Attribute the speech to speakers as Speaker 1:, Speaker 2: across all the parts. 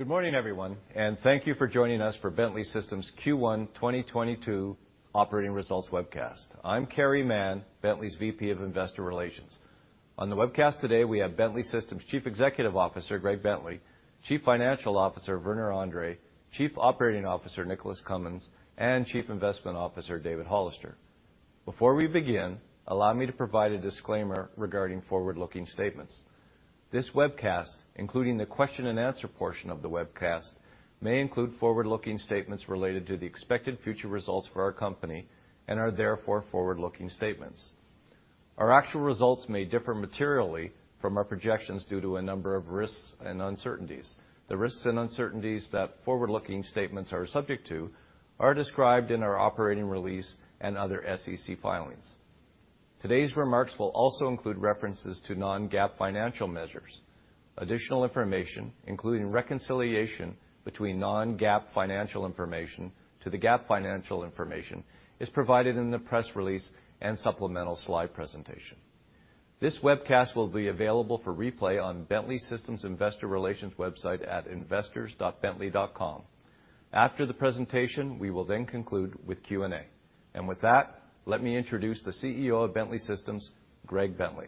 Speaker 1: Good morning, everyone, and thank you for joining us for Bentley Systems Q1 2022 operating results webcast. I'm Carey Mann, Bentley's VP of Investor Relations. On the webcast today, we have Bentley Systems Chief Executive Officer, Greg Bentley, Chief Financial Officer, Werner Andre, Chief Operating Officer, Nicholas Cumins, and Chief Investment Officer, David Hollister. Before we begin, allow me to provide a disclaimer regarding forward-looking statements. This webcast, including the question and answer portion of the webcast, may include forward-looking statements related to the expected future results for our company and are therefore forward-looking statements. Our actual results may differ materially from our projections due to a number of risks and uncertainties. The risks and uncertainties that forward-looking statements are subject to are described in our operating release and other SEC filings. Today's remarks will also include references to non-GAAP financial measures. Additional information, including reconciliation between non-GAAP financial information to the GAAP financial information, is provided in the press release and supplemental slide presentation. This webcast will be available for replay on Bentley Systems Investor Relations website at investors.bentley.com. After the presentation, we will then conclude with Q&A. With that, let me introduce the CEO of Bentley Systems, Greg Bentley.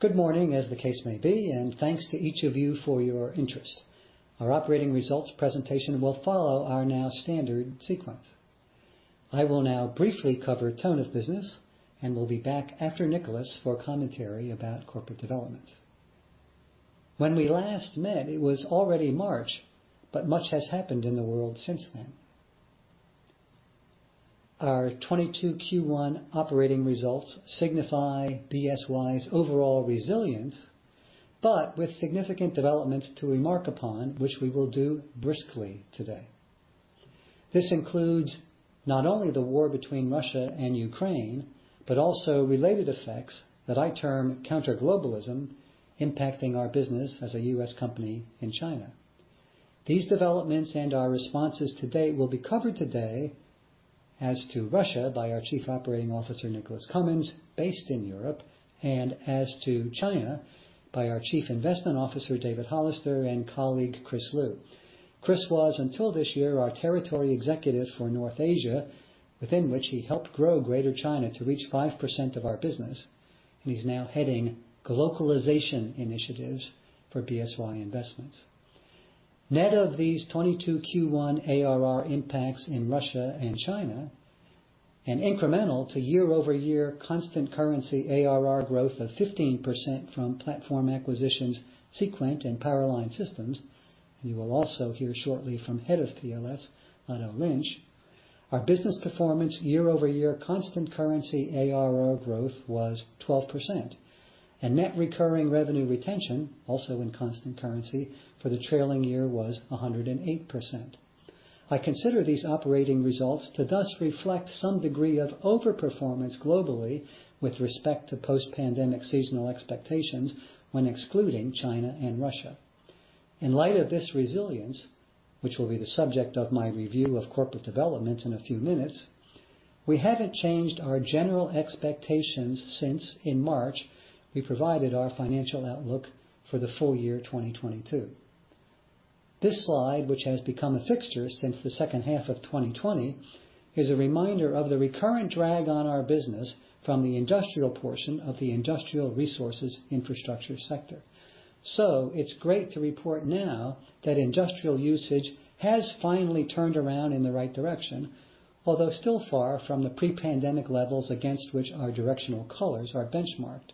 Speaker 2: Good morning, as the case may be, and thanks to each of you for your interest. Our operating results presentation will follow our now standard sequence. I will now briefly cover tone of business and will be back after Nicholas for commentary about corporate developments. When we last met, it was already March, but much has happened in the world since then. Our 2022 Q1 operating results signify BSY's overall resilience, but with significant developments to remark upon, which we will do briskly today. This includes not only the war between Russia and Ukraine, but also related effects that I term counter-globalism impacting our business as a US company in China. These developments and our responses today will be covered today as to Russia by our Chief Operating Officer, Nicholas Cumins, based in Europe, and as to China by our Chief Investment Officer, David Hollister, and colleague Chris Liew. Chris Liew was, until this year, our Territory Executive for North Asia, within which he helped grow Greater China to reach 5% of our business, and he's now heading globalization initiatives for BSY Investments. Net of these 22 Q1 ARR impacts in Russia and China, and incremental to year-over-year constant currency ARR growth of 15% from platform acquisitions Seequent and Power Line Systems, and you will also hear shortly from Head of PLS, Otto Lynch, our business performance year-over-year constant currency ARR growth was 12%, and net recurring revenue retention, also in constant currency, for the trailing year was 108%. I consider these operating results to thus reflect some degree of overperformance globally with respect to post-pandemic seasonal expectations when excluding China and Russia. In light of this resilience, which will be the subject of my review of corporate developments in a few minutes, we haven't changed our general expectations since, in March, we provided our financial outlook for the full year 2022. This slide, which has become a fixture since the second half of 2020, is a reminder of the recurrent drag on our business from the industrial portion of the industrial resources infrastructure sector. It's great to report now that industrial usage has finally turned around in the right direction, although still far from the pre-pandemic levels against which our directional colors are benchmarked.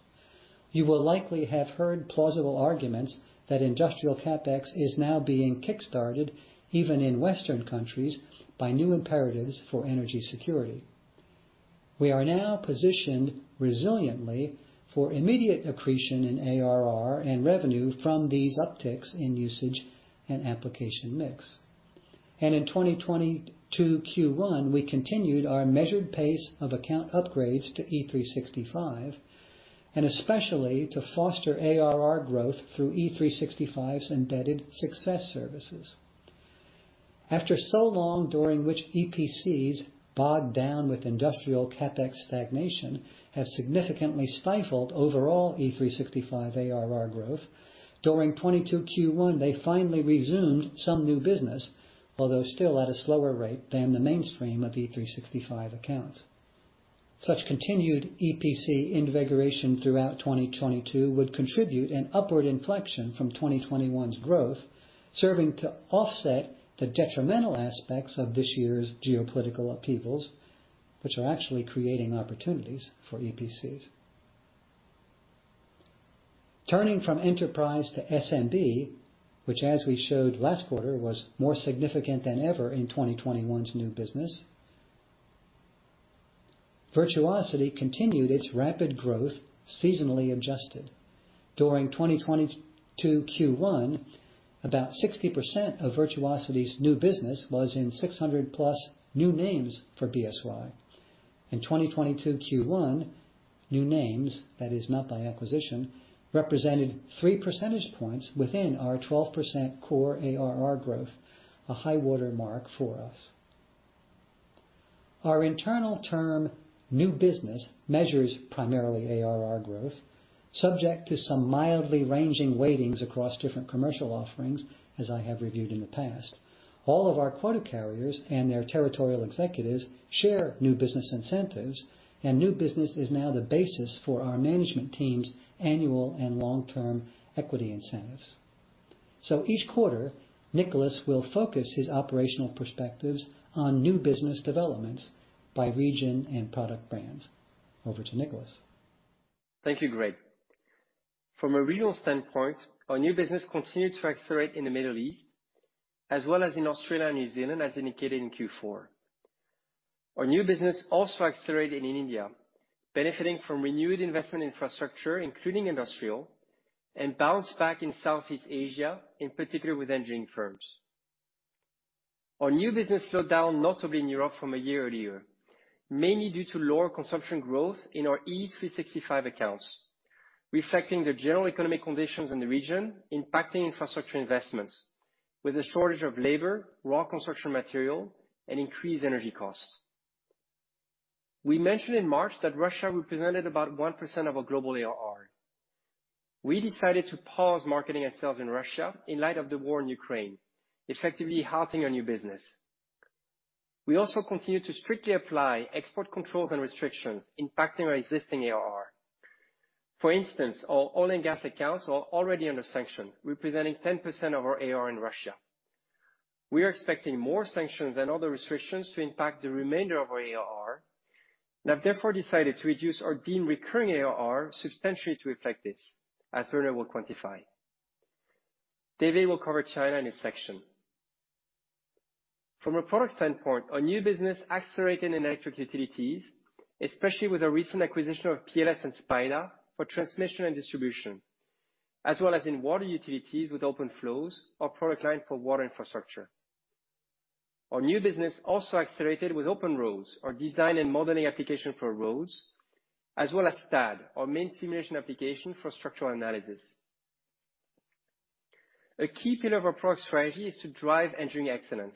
Speaker 2: You will likely have heard plausible arguments that industrial CapEx is now being kick-started, even in Western countries, by new imperatives for energy security. We are now positioned resiliently for immediate accretion in ARR and revenue from these upticks in usage and application mix. In 2022 Q1, we continued our measured pace of account upgrades to E365, and especially to foster ARR growth through E365's embedded success services. After so long during which EPCs, bogged down with industrial CapEx stagnation, have significantly stifled overall E365 ARR growth, during 2022 Q1, they finally resumed some new business, although still at a slower rate than the mainstream of E365 accounts. Such continued EPC invigoration throughout 2022 would contribute an upward inflection from 2021's growth, serving to offset the detrimental aspects of this year's geopolitical upheavals, which are actually creating opportunities for EPCs. Turning from enterprise to SMB, which as we showed last quarter, was more significant than ever in 2021's new business, Virtuosity continued its rapid growth seasonally adjusted. During 2022 Q1, about 60% of Virtuosity's new business was in 600+ new names for BSY. In 2022 Q1, new names, that is not by acquisition, represented 3% points within our 12% core ARR growth, a high water mark for us. Our internal term new business measures primarily ARR growth, subject to some mildly ranging weightings across different commercial offerings, as I have reviewed in the past. All of our quota carriers and their territorial executives share new business incentives, and new business is now the basis for our management team's annual and long-term equity incentives. Each quarter, Nicholas will focus his operational perspectives on new business developments by region and product brands. Over to Nicholas.
Speaker 3: Thank you, Greg. From a regional standpoint, our new business continued to accelerate in the Middle East as well as in Australia and New Zealand, as indicated in Q4. Our new business also accelerated in India, benefiting from renewed infrastructure investment, including industrial, and a bounce back in Southeast Asia, in particular with engineering firms. Our new business slowed down notably in Europe from a year earlier, mainly due to lower consumption growth in our E365 accounts, reflecting the general economic conditions in the region, impacting infrastructure investments with a shortage of labor, raw construction materials, and increased energy costs. We mentioned in March that Russia represented about 1% of our global ARR. We decided to pause marketing and sales in Russia in light of the war in Ukraine, effectively halting our new business. We also continue to strictly apply export controls and restrictions impacting our existing ARR. For instance, our oil and gas accounts are already under sanction, representing 10% of our AR in Russia. We are expecting more sanctions and other restrictions to impact the remainder of our ARR and have therefore decided to reduce our deemed recurring ARR substantially to reflect this. As Werner will quantify. David will cover China in his section. From a product standpoint, our new business accelerated in electric utilities, especially with our recent acquisition of PLS and SPIDA for transmission and distribution, as well as in water utilities with OpenFlows, our product line for water infrastructure. Our new business also accelerated with OpenRoads, our design and modeling application for roads, as well as STAAD, our main simulation application for structural analysis. A key pillar of our product strategy is to drive engineering excellence.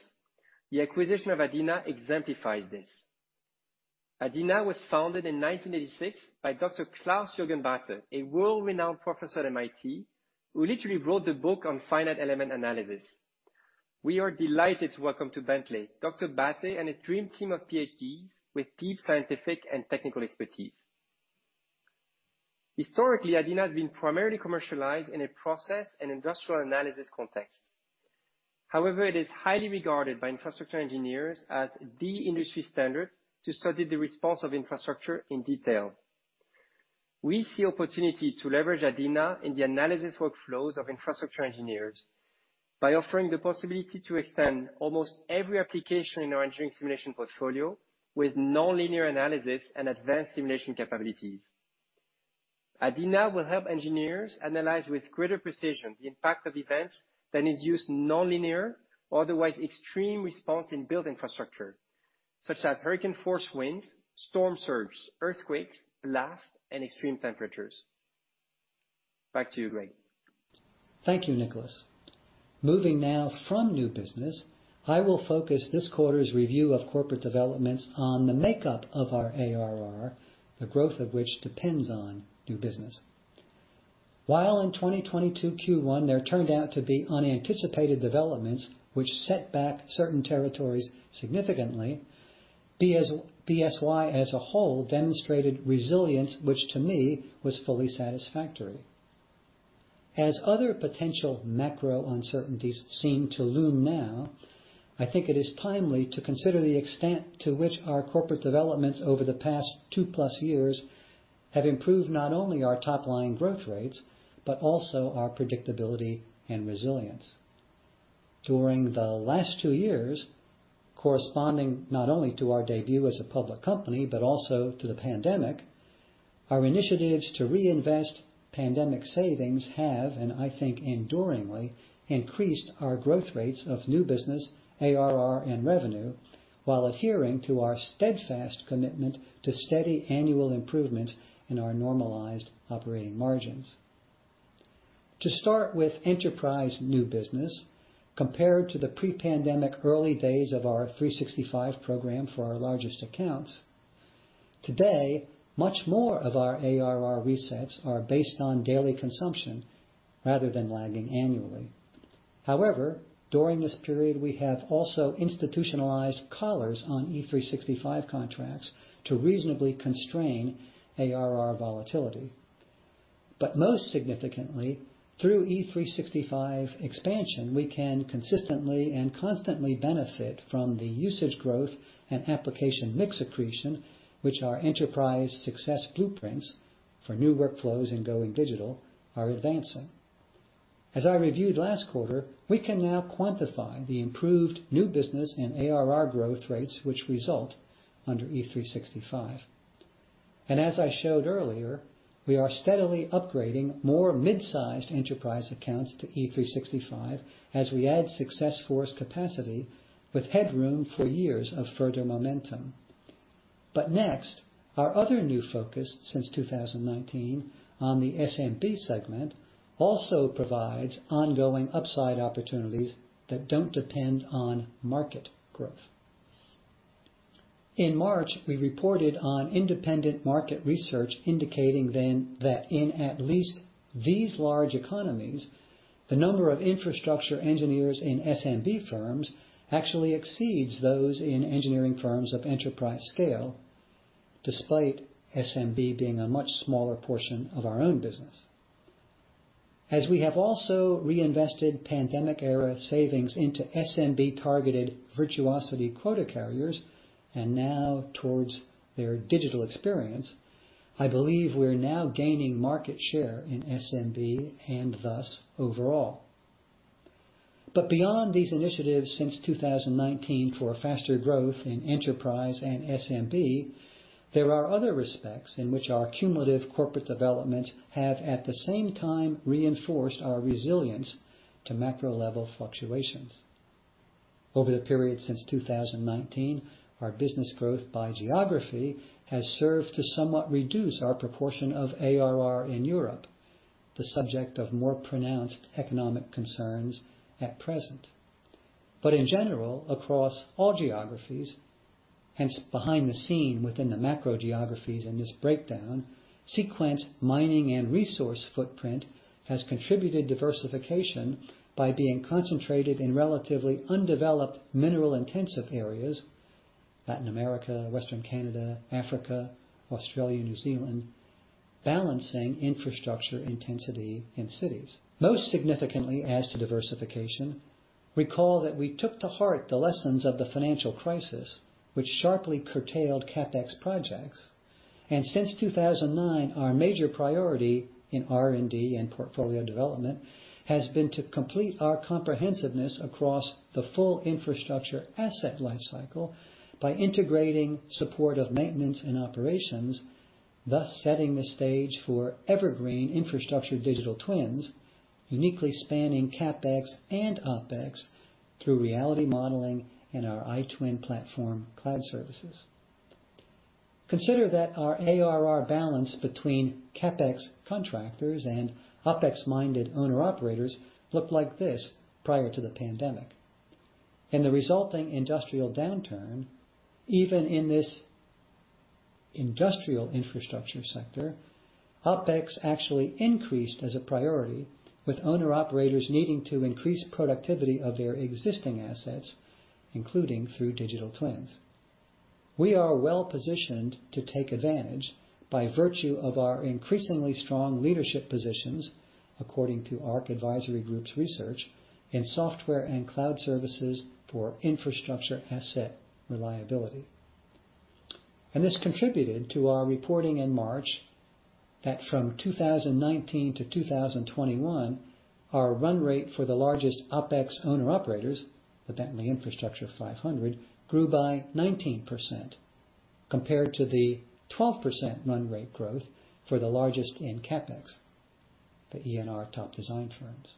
Speaker 3: The acquisition of ADINA exemplifies this. ADINA was founded in 1986 by Dr. Klaus-Jürgen Bathe, a world-renowned professor at MIT who literally wrote the book on finite element analysis. We are delighted to welcome to Bentley, Dr. Bathe and a dream team of PhDs with deep scientific and technical expertise. Historically, ADINA has been primarily commercialized in a process and industrial analysis context. However, it is highly regarded by infrastructure engineers as the industry standard to study the response of infrastructure in detail. We see opportunity to leverage ADINA in the analysis workflows of infrastructure engineers by offering the possibility to extend almost every application in our engineering simulation portfolio with nonlinear analysis and advanced simulation capabilities. ADINA will help engineers analyze with greater precision the impact of events that induce nonlinear or otherwise extreme response in built infrastructure such as hurricane force winds, storm surge, earthquakes, blast and extreme temperatures. Back to you, Greg.
Speaker 2: Thank you, Nicholas. Moving now from new business, I will focus this quarter's review of corporate developments on the makeup of our ARR, the growth of which depends on new business. While in 2022 Q1 there turned out to be unanticipated developments which set back certain territories significantly, BSY as a whole demonstrated resilience, which to me was fully satisfactory. As other potential macro uncertainties seem to loom now, I think it is timely to consider the extent to which our corporate developments over the past 2+ years have improved not only our top line growth rates, but also our predictability and resilience. During the last two years, corresponding not only to our debut as a public company, but also to the pandemic, our initiatives to reinvest pandemic savings have, and I think enduringly, increased our growth rates of new business, ARR and revenue, while adhering to our steadfast commitment to steady annual improvement in our normalized operating margins. To start with enterprise new business. Compared to the pre-pandemic early days of our 365 program for our largest accounts, today, much more of our ARR resets are based on daily consumption rather than lagging annually. However, during this period, we have also institutionalized collars on E365 contracts to reasonably constrain ARR volatility. Most significantly, through E365 expansion, we can consistently and constantly benefit from the usage growth and application mix accretion, which our enterprise success blueprints for new workflows and going digital are advancing. As I reviewed last quarter, we can now quantify the improved new business and ARR growth rates which result under E365. As I showed earlier, we are steadily upgrading more mid-sized enterprise accounts to E365 as we add Salesforce capacity with headroom for years of further momentum. Next, our other new focus since 2019 on the SMB segment also provides ongoing upside opportunities that don't depend on market growth. In March, we reported on independent market research indicating then that in at least these large economies, the number of infrastructure engineers in SMB firms actually exceeds those in engineering firms of enterprise scale, despite SMB being a much smaller portion of our own business. As we have also reinvested pandemic-era savings into SMB-targeted Virtuosity quota carriers, and now towards their digital experience, I believe we're now gaining market share in SMB and thus overall. Beyond these initiatives since 2019 for faster growth in enterprise and SMB, there are other respects in which our cumulative corporate developments have, at the same time, reinforced our resilience to macro-level fluctuations. Over the period since 2019, our business growth by geography has served to somewhat reduce our proportion of ARR in Europe, the subject of more pronounced economic concerns at present. In general, across all geographies, hence behind the scenes within the macro geographies in this breakdown, Seequent mining and resource footprint has contributed diversification by being concentrated in relatively undeveloped mineral-intensive areas, Latin America, Western Canada, Africa, Australia, New Zealand, balancing infrastructure intensity in cities. Most significantly, as to diversification, recall that we took to heart the lessons of the financial crisis, which sharply curtailed CapEx projects. Since 2009, our major priority in R&D and portfolio development has been to complete our comprehensiveness across the full infrastructure asset life cycle by integrating support of maintenance and operations, thus setting the stage for evergreen infrastructure digital twins, uniquely spanning CapEx and OpEx through reality modeling in our iTwin Platform cloud services. Consider that our ARR balance between CapEx contractors and OpEx-minded owner operators looked like this prior to the pandemic. In the resulting industrial downturn, even in this industrial infrastructure sector, OpEx actually increased as a priority, with owner operators needing to increase productivity of their existing assets, including through digital twins. We are well-positioned to take advantage by virtue of our increasingly strong leadership positions, according to ARC Advisory Group's research, in software and cloud services for infrastructure asset reliability. This contributed to our reporting in March that from 2019 to 2021, our run rate for the largest OpEx owner operators, the Bentley Infrastructure 500, grew by 19% compared to the 12% run rate growth for the largest in CapEx, the ENR Top Design Firms.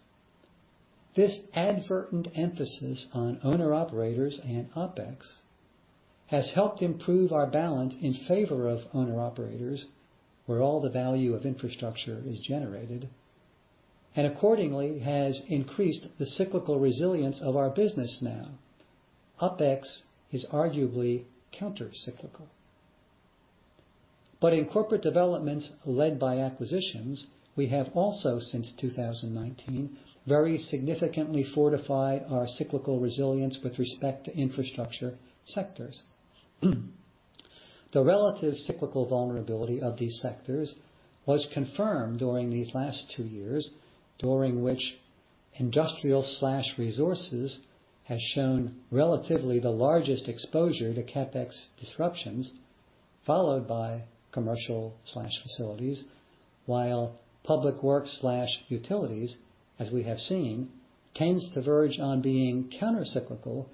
Speaker 2: This advertent emphasis on owner operators and OpEx has helped improve our balance in favor of owner operators, where all the value of infrastructure is generated, and accordingly has increased the cyclical resilience of our business now. OpEx is arguably countercyclical. In corporate developments led by acquisitions, we have also, since 2019, very significantly fortified our cyclical resilience with respect to infrastructure sectors. The relative cyclical vulnerability of these sectors was confirmed during these last two years, during which industrial/resources has shown relatively the largest exposure to CapEx disruptions, followed by commercial/facilities, while public works/utilities, as we have seen, tends to verge on being countercyclical,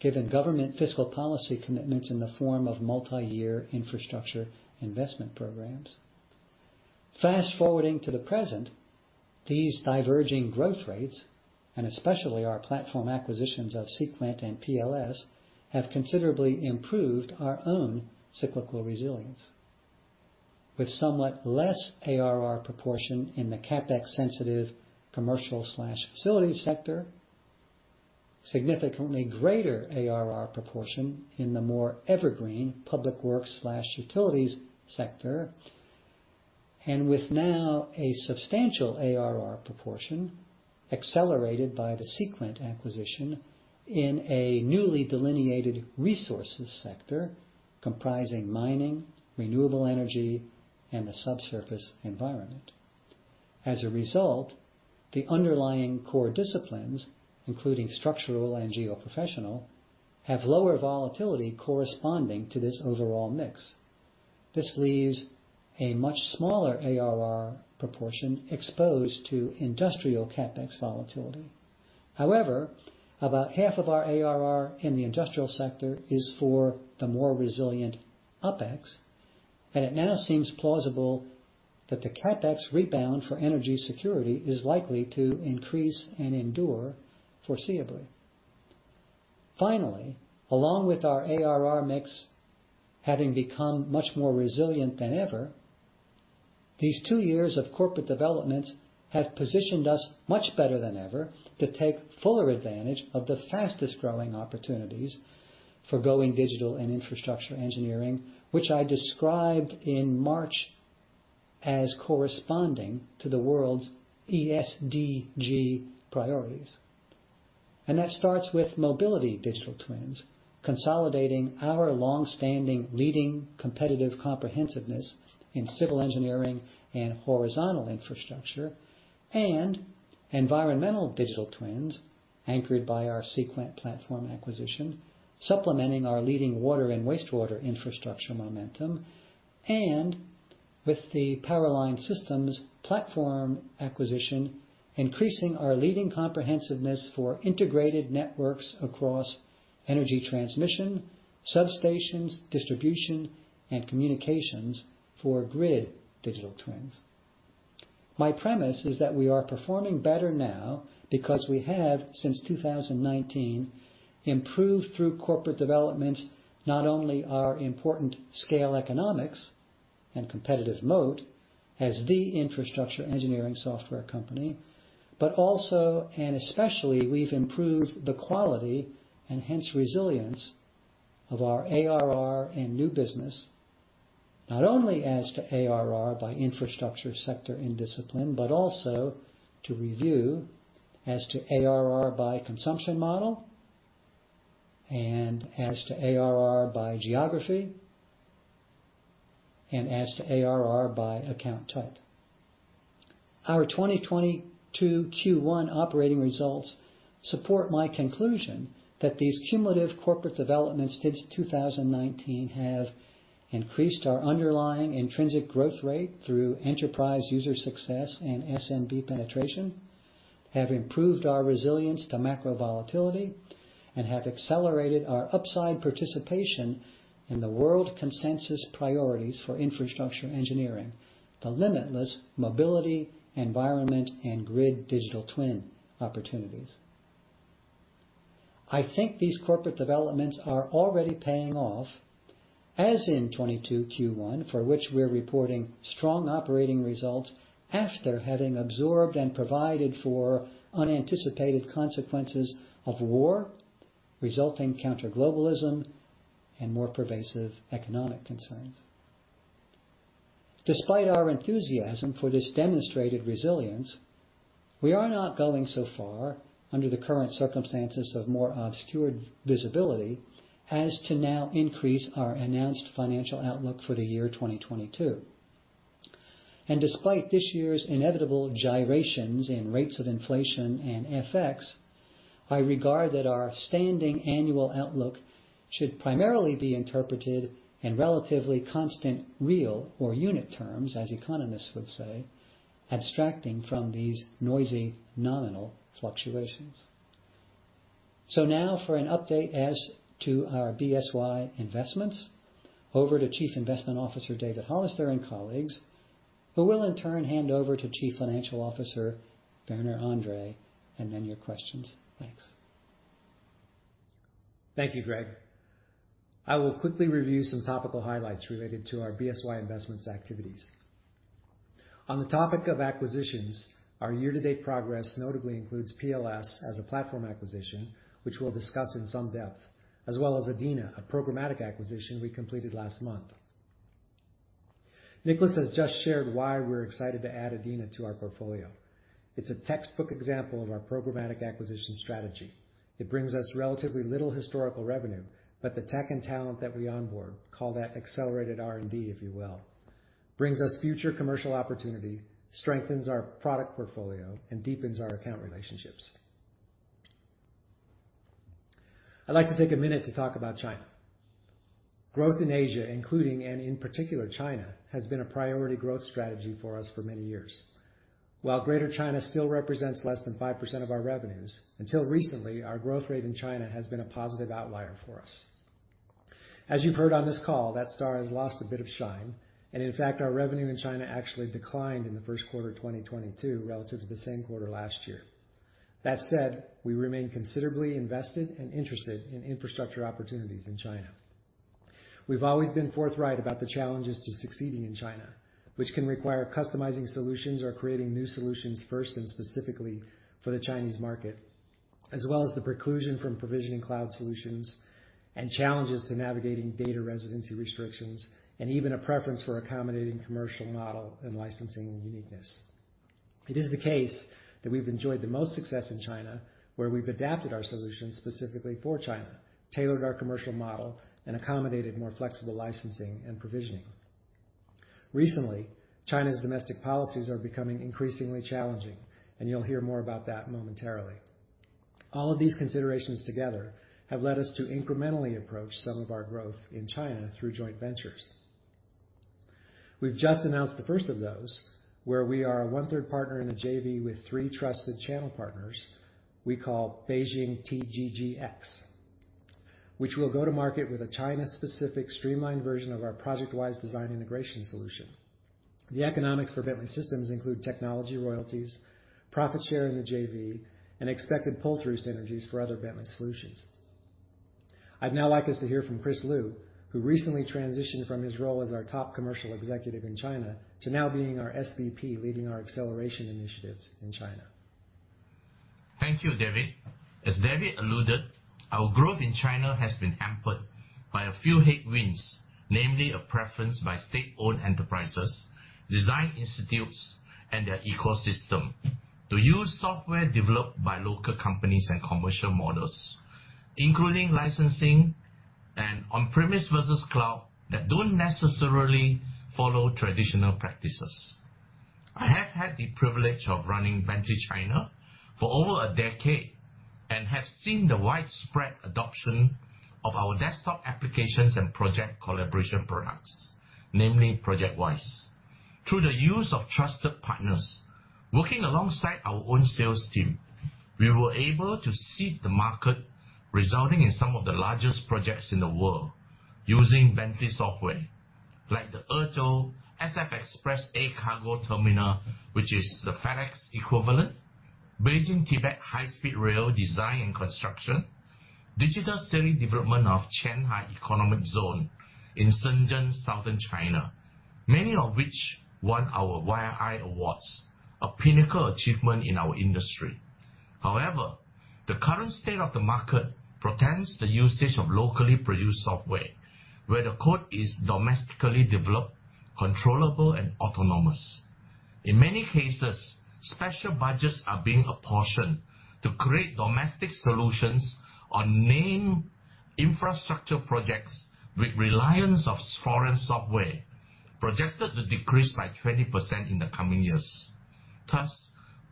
Speaker 2: given government fiscal policy commitments in the form of multi-year infrastructure investment programs. Fast-forwarding to the present, these diverging growth rates, and especially our platform acquisitions of Seequent and PLS, have considerably improved our own cyclical resilience with somewhat less ARR proportion in the CapEx-sensitive commercial/facilities sector, significantly greater ARR proportion in the more evergreen public works/utilities sector, and with now a substantial ARR proportion accelerated by the Seequent acquisition in a newly delineated resources sector comprising mining, renewable energy, and the subsurface environment. As a result, the underlying core disciplines, including structural and geoprofessional, have lower volatility corresponding to this overall mix. This leaves a much smaller ARR proportion exposed to industrial CapEx volatility. However, about half of our ARR in the industrial sector is for the more resilient OpEx. It now seems plausible that the CapEx rebound for energy security is likely to increase and endure foreseeably. Finally, along with our ARR mix having become much more resilient than ever, these two years of corporate developments have positioned us much better than ever to take fuller advantage of the fastest-growing opportunities for going digital in infrastructure engineering, which I described in March as corresponding to the world's ESG priorities. That starts with mobility digital twins, consolidating our long-standing leading competitive comprehensiveness in civil engineering and horizontal infrastructure, and environmental digital twins anchored by our Seequent platform acquisition, supplementing our leading water and wastewater infrastructure momentum. With the Power Line Systems platform acquisition, increasing our leading comprehensiveness for integrated networks across energy transmission, substations, distribution, and communications for grid digital twins. My premise is that we are performing better now because we have, since 2019, improved through corporate developments, not only our important scale economics and competitive moat as the infrastructure engineering software company, but also, and especially, we've improved the quality and hence resilience of our ARR and new business, not only as to ARR by infrastructure sector and discipline, but also as to ARR by consumption model and as to ARR by geography and as to ARR by account type. Our 2022 Q1 operating results support my conclusion that these cumulative corporate developments since 2019 have increased our underlying intrinsic growth rate through enterprise user success and SMB penetration, have improved our resilience to macro volatility, and have accelerated our upside participation in the world consensus priorities for infrastructure engineering, the limitless mobility, environment, and grid digital twin opportunities. I think these corporate developments are already paying off, as in 2022 Q1, for which we're reporting strong operating results after having absorbed and provided for unanticipated consequences of war, resulting counter-globalism, and more pervasive economic concerns. Despite our enthusiasm for this demonstrated resilience, we are not going so far under the current circumstances of more obscured visibility as to now increase our announced financial outlook for the year 2022. Despite this year's inevitable gyrations in rates of inflation and FX, I regard that our standing annual outlook should primarily be interpreted in relatively constant, real or unit terms, as economists would say, abstracting from these noisy nominal fluctuations. Now for an update as to our BSY investments, over to Chief Investment Officer, David Hollister, and colleagues, who will in turn hand over to Chief Financial Officer, Werner Andre, and then your questions. Thanks.
Speaker 4: Thank you, Greg. I will quickly review some topical highlights related to our BSY investments activities. On the topic of acquisitions, our year-to-date progress notably includes PLS as a platform acquisition, which we'll discuss in some depth, as well as ADINA, a programmatic acquisition we completed last month. Nicholas Cumins has just shared why we're excited to add ADINA to our portfolio. It's a textbook example of our programmatic acquisition strategy. It brings us relatively little historical revenue, but the tech and talent that we onboard, call that accelerated R&D, if you will, brings us future commercial opportunity, strengthens our product portfolio, and deepens our account relationships. I'd like to take a minute to talk about China. Growth in Asia, including and in particular China, has been a priority growth strategy for us for many years. While Greater China still represents less than 5% of our revenues, until recently, our growth rate in China has been a positive outlier for us. As you've heard on this call, that star has lost a bit of shine, and in fact, our revenue in China actually declined in the first quarter of 2022 relative to the same quarter last year. That said, we remain considerably invested and interested in infrastructure opportunities in China. We've always been forthright about the challenges to succeeding in China, which can require customizing solutions or creating new solutions first and specifically for the Chinese market, as well as the preclusion from provisioning cloud solutions and challenges to navigating data residency restrictions, and even a preference for accommodating commercial model and licensing uniqueness. It is the case that we've enjoyed the most success in China, where we've adapted our solutions specifically for China, tailored our commercial model, and accommodated more flexible licensing and provisioning. Recently, China's domestic policies are becoming increasingly challenging, and you'll hear more about that momentarily. All of these considerations together have led us to incrementally approach some of our growth in China through joint ventures. We've just announced the first of those, where we are a one-third partner in a JV with three trusted channel partners we call Beijing TGGX, which will go to market with a China-specific streamlined version of our ProjectWise design integration solution. The economics for Bentley Systems include technology royalties, profit share in the JV, and expected pull-through synergies for other Bentley solutions. I'd now like us to hear from Chris Liew, who recently transitioned from his role as our top commercial executive in China to now being our SVP, leading our acceleration initiatives in China.
Speaker 5: Thank you, David. As David alluded, our growth in China has been hampered by a few headwinds, namely a preference by state-owned enterprises, design institutes, and their ecosystem to use software developed by local companies and commercial models, including licensing and on-premise versus cloud, that don't necessarily follow traditional practices. I have had the privilege of running Bentley China for over a decade and have seen the widespread adoption of our desktop applications and project collaboration products, namely ProjectWise. Through the use of trusted partners working alongside our own sales team, we were able to seed the market, resulting in some of the largest projects in the world using Bentley software, like the Ezhou SF Express Cargo Terminal, which is the FedEx equivalent, Beijing-Tibet High-Speed Rail design and construction, digital city development of Qianhai Economic Zone in Shenzhen, southern China, many of which won our Year in Infrastructure awards, a pinnacle achievement in our industry. However, the current state of the market prefers the usage of locally produced software, where the code is domestically developed, controllable, and autonomous. In many cases, special budgets are being apportioned to create domestic solutions on named infrastructure projects with reliance on foreign software projected to decrease by 20% in the coming years. Thus,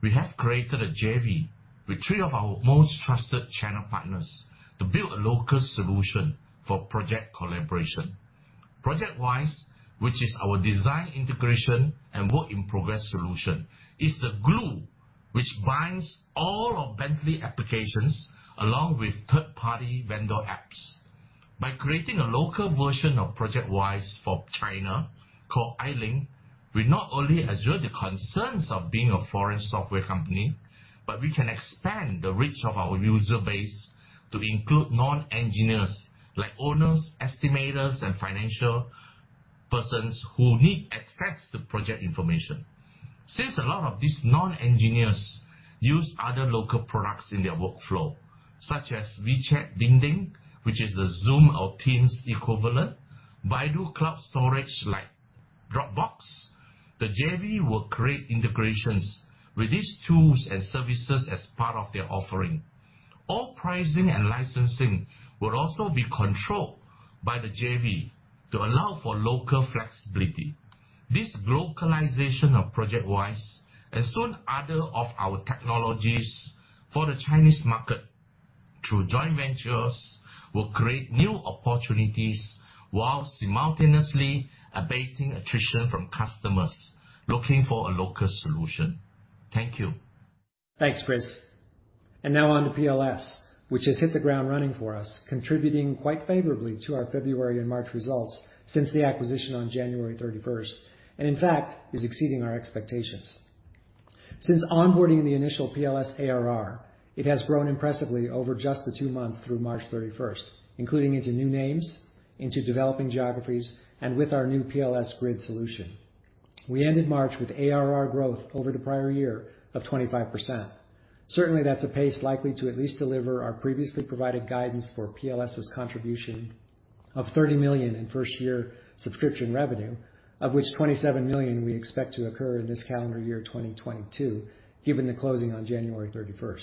Speaker 5: we have created a JV with three of our most trusted channel partners to build a local solution for project collaboration. ProjectWise, which is our design integration and work-in-progress solution, is the glue which binds all of Bentley applications along with third-party vendor apps. By creating a local version of ProjectWise for China called iLink, we not only assure the concerns of being a foreign software company, but we can expand the reach of our user base to include non-engineers, like owners, estimators, and financial persons who need access to project information. Since a lot of these non-engineers use other local products in their workflow, such as WeChat, DingTalk, which is the Zoom or Teams equivalent, Baidu Netdisk, like Dropbox, the JV will create integrations with these tools and services as part of their offering. All pricing and licensing will also be controlled by the JV to allow for local flexibility. This glocalization of ProjectWise, and soon other of our technologies for the Chinese market through joint ventures, will create new opportunities while simultaneously abating attrition from customers looking for a local solution. Thank you.
Speaker 4: Thanks, Chris. Now on to PLS, which has hit the ground running for us, contributing quite favorably to our February and March results since the acquisition on January 31, and in fact, is exceeding our expectations. Since onboarding the initial PLS ARR, it has grown impressively over just the two months through March 31, including into new names, into developing geographies, and with our new PLS grid solution. We ended March with ARR growth over the prior year of 25%. Certainly, that's a pace likely to at least deliver our previously provided guidance for PLS' contribution of $30 million in first-year subscription revenue, of which $27 million we expect to occur in this calendar year, 2022, given the closing on January 31.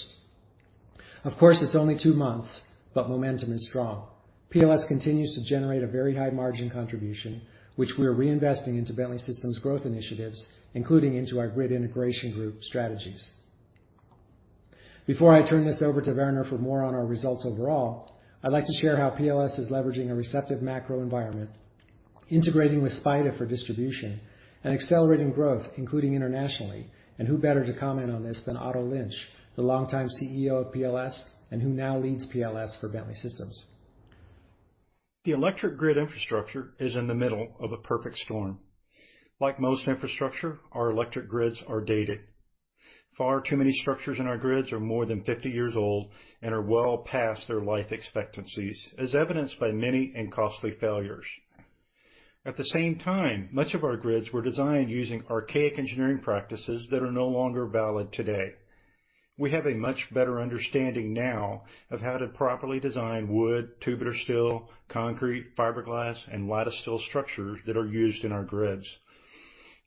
Speaker 4: Of course, it's only two months, but momentum is strong. PLS continues to generate a very high-margin contribution, which we are reinvesting into Bentley Systems growth initiatives, including into our grid integration group strategies. Before I turn this over to Werner for more on our results overall, I'd like to share how PLS is leveraging a receptive macro environment, integrating with SPIDA for distribution and accelerating growth, including internationally. Who better to comment on this than Otto Lynch, the longtime CEO of PLS and who now leads PLS for Bentley Systems.
Speaker 6: The electric grid infrastructure is in the middle of a perfect storm. Like most infrastructure, our electric grids are dated. Far too many structures in our grids are more than 50 years old and are well past their life expectancies, as evidenced by many and costly failures. At the same time, much of our grids were designed using archaic engineering practices that are no longer valid today. We have a much better understanding now of how to properly design wood, tubular steel, concrete, fiberglass, and lattice steel structures that are used in our grids.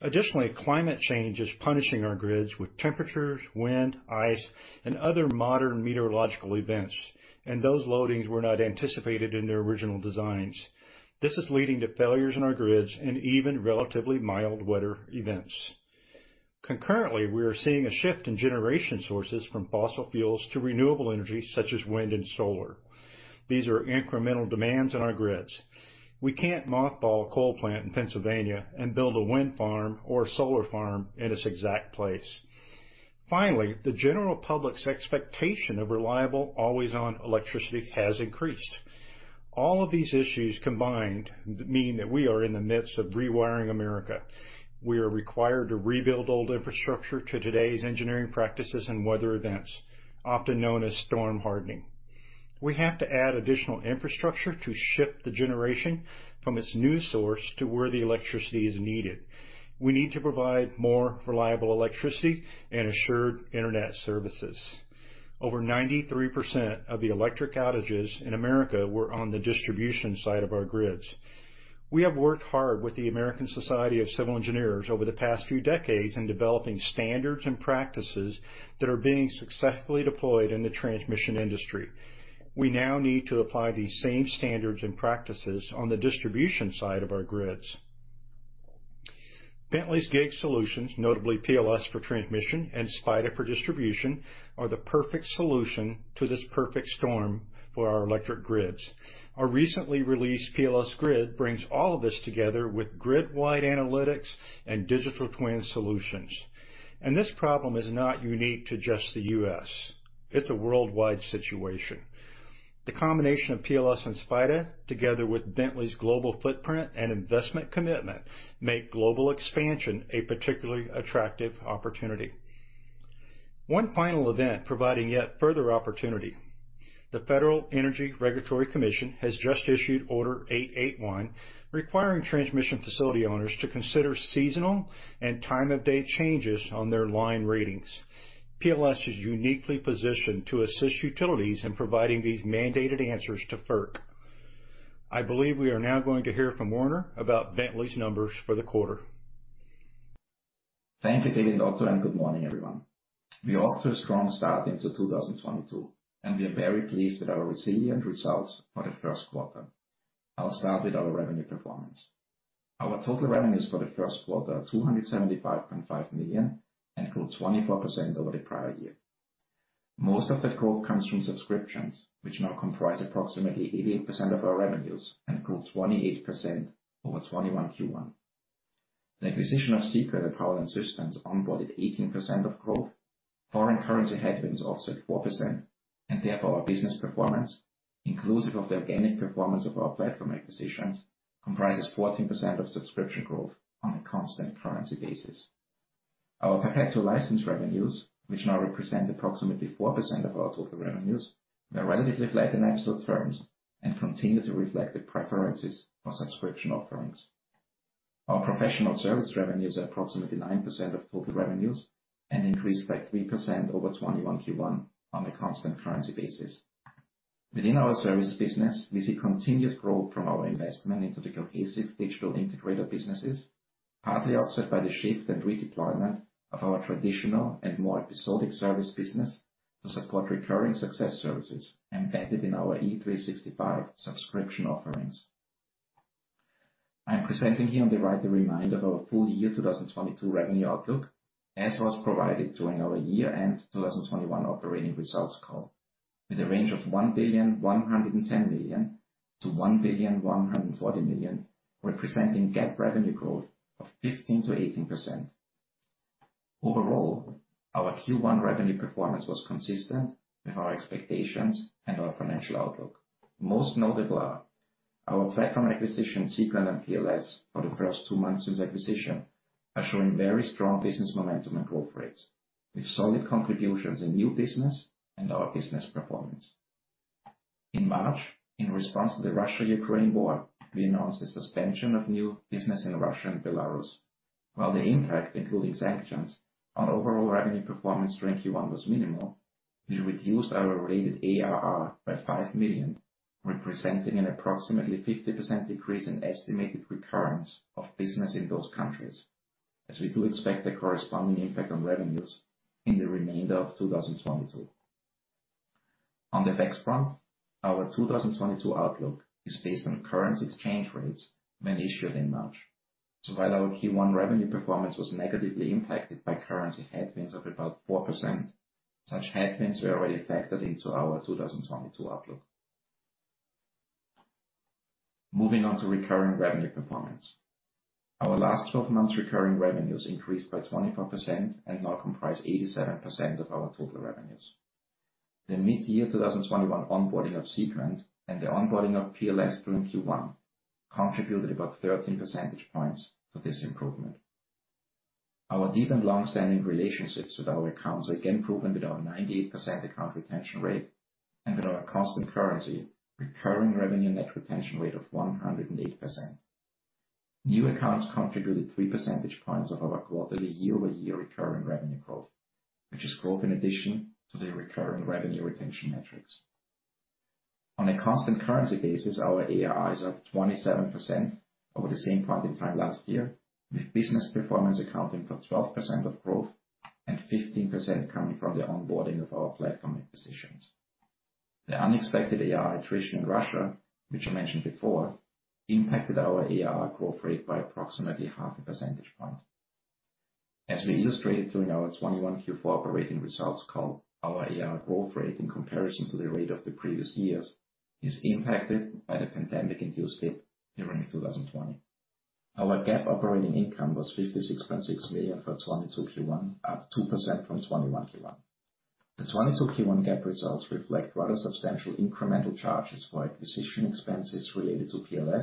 Speaker 6: Additionally, climate change is punishing our grids with temperatures, wind, ice, and other modern meteorological events, and those loadings were not anticipated in their original designs. This is leading to failures in our grids in even relatively mild weather events. Concurrently, we are seeing a shift in generation sources from fossil fuels to renewable energy, such as wind and solar. These are incremental demands on our grids. We can't mothball a coal plant in Pennsylvania and build a wind farm or solar farm in its exact place. Finally, the general public's expectation of reliable, always-on electricity has increased. All of these issues combined mean that we are in the midst of rewiring America. We are required to rebuild old infrastructure to today's engineering practices and weather events, often known as storm hardening. We have to add additional infrastructure to ship the generation from its new source to where the electricity is needed. We need to provide more reliable electricity and assured internet services. Over 93% of the electric outages in America were on the distribution side of our grids. We have worked hard with the American Society of Civil Engineers over the past few decades in developing standards and practices that are being successfully deployed in the transmission industry. We now need to apply these same standards and practices on the distribution side of our grids. Bentley's grid solutions, notably PLS for transmission and SPIDA for distribution, are the perfect solution to this perfect storm for our electric grids. Our recently released PLS-GRID brings all of this together with grid-wide analytics and digital twin solutions. This problem is not unique to just the U.S., it's a worldwide situation. The combination of PLS and SPIDA, together with Bentley's global footprint and investment commitment, make global expansion a particularly attractive opportunity. One final event providing yet further opportunity. The Federal Energy Regulatory Commission has just issued Order 881, requiring transmission facility owners to consider seasonal and time-of-day changes on their line ratings. PLS is uniquely positioned to assist utilities in providing these mandated answers to FERC. I believe we are now going to hear from Werner about Bentley's numbers for the quarter.
Speaker 7: Thank you, David Hollister and Otto Lynch, and good morning, everyone. We are off to a strong start into 2022, and we are very pleased with our resilient results for the first quarter. I'll start with our revenue performance. Our total revenues for the first quarter are $275.5 million and grew 24% over the prior year. Most of the growth comes from subscriptions, which now comprise approximately 80% of our revenues and grew 28% over 2021 Q1. The acquisition of Seequent, Power Line Systems onboarded 18% of growth. Foreign currency headwinds offset 4%, and therefore, our business performance, inclusive of the organic performance of our platform acquisitions, comprises 14% of subscription growth on a constant currency basis. Our perpetual license revenues, which now represent approximately 4% of our total revenues, were relatively flat in absolute terms and continue to reflect the preferences for subscription offerings. Our professional service revenues are approximately 9% of total revenues and increased by 3% over 2021 Q1 on a constant currency basis. Within our service business, we see continued growth from our investment into the Cohesive Digital Integrator businesses, partly offset by the shift and redeployment of our traditional and more episodic service business to support recurring success services embedded in our E365 subscription offerings. I am presenting here on the right a reminder of our full year 2022 revenue outlook, as was provided during our year-end 2021 operating results call. With a range of $1.11 billion-$1.14 billion, representing GAAP revenue growth of 15%-18%. Overall, our Q1 revenue performance was consistent with our expectations and our financial outlook. Most notable are our platform acquisition, Seequent and PLS for the first two months since acquisition are showing very strong business momentum and growth rates, with solid contributions in new business and our business performance. In March, in response to the Russia-Ukraine war, we announced the suspension of new business in Russia and Belarus. While the impact, including sanctions on overall revenue performance during Q1 was minimal, we reduced our related ARR by $5 million, representing an approximately 50% decrease in estimated recurrence of business in those countries, as we do expect a corresponding impact on revenues in the remainder of 2022. On the tax front, our 2022 outlook is based on currency exchange rates when issued in March. While our Q1 revenue performance was negatively impacted by currency headwinds of about 4%, such headwinds were already factored into our 2022 outlook. Moving on to recurring revenue performance. Our last 12 months recurring revenues increased by 24% and now comprise 87% of our total revenues. The mid-year 2021 onboarding of Seequent and the onboarding of PLS during Q1 contributed about 13% points to this improvement. Our deep and long-standing relationships with our accounts are again proven with our 98% account retention rate and with our constant currency recurring revenue net retention rate of 108%. New accounts contributed 3% points of our quarterly year-over-year recurring revenue growth, which is growth in addition to the recurring revenue retention metrics. On a constant currency basis, our ARRs are up 27% over the same point in time last year, with business performance accounting for 12% of growth and 15% coming from the onboarding of our platform acquisitions. The unexpected ARR attrition in Russia, which I mentioned before, impacted our ARR growth rate by approximately half a percentage point. As we illustrated during our 2021 Q4 operating results call, our ARR growth rate in comparison to the rate of the previous years is impacted by the pandemic-induced dip during 2020. Our GAAP operating income was $56.6 million for 2022 Q1, up 2% from 2021 Q1. The 2022 Q1 GAAP results reflect rather substantial incremental charges for acquisition expenses related to PLS,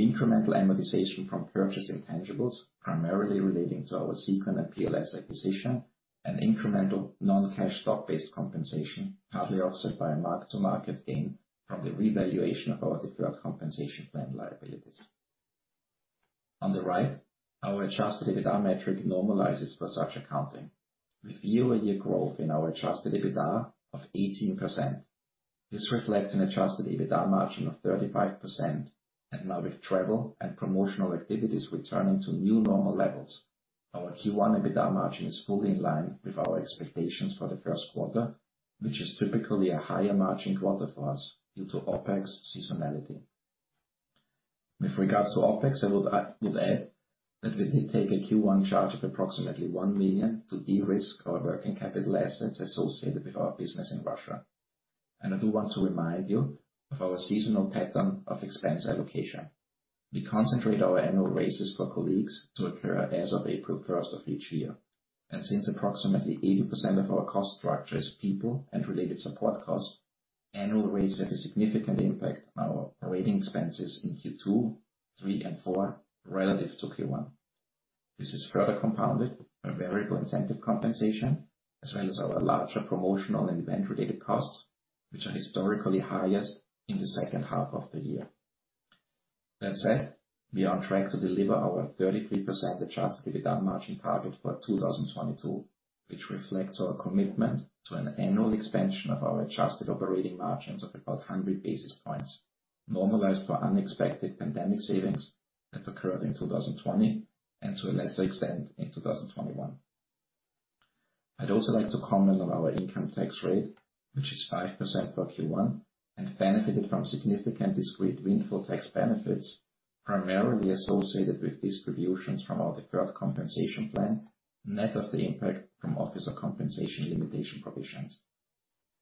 Speaker 7: incremental amortization from purchase intangibles, primarily relating to our Seequent and PLS acquisition, and incremental non-cash stock-based compensation, partly offset by a mark-to-market gain from the revaluation of our deferred compensation plan liabilities. On the right, our adjusted EBITDA metric normalizes for such accounting, with year-over-year growth in our adjusted EBITDA of 18%. This reflects an adjusted EBITDA margin of 35%. Now with travel and promotional activities returning to new normal levels, our Q1 EBITDA margin is fully in line with our expectations for the first quarter, which is typically a higher margin quarter for us due to OpEx seasonality. With regards to OpEx, I would add that we did take a Q1 charge of approximately $1 million to de-risk our working capital assets associated with our business in Russia. I do want to remind you of our seasonal pattern of expense allocation. We concentrate our annual raises for colleagues to occur as of April 1 of each year. Since approximately 80% of our cost structure is people and related support costs, annual rates have a significant impact on our operating expenses in Q2, 3, and 4 relative to Q1. This is further compounded by variable incentive compensation as well as our larger promotional and event-related costs, which are historically highest in the second half of the year. That said, we are on track to deliver our 33% adjusted EBITDA margin target for 2022, which reflects our commitment to an annual expansion of our adjusted operating margins of about 100 basis points, normalized for unexpected pandemic savings that occurred in 2020 and to a lesser extent in 2021. I'd also like to comment on our income tax rate, which is 5% for Q1, and benefited from significant discrete windfall tax benefits primarily associated with distributions from our deferred compensation plan, net of the impact from officer compensation limitation provisions.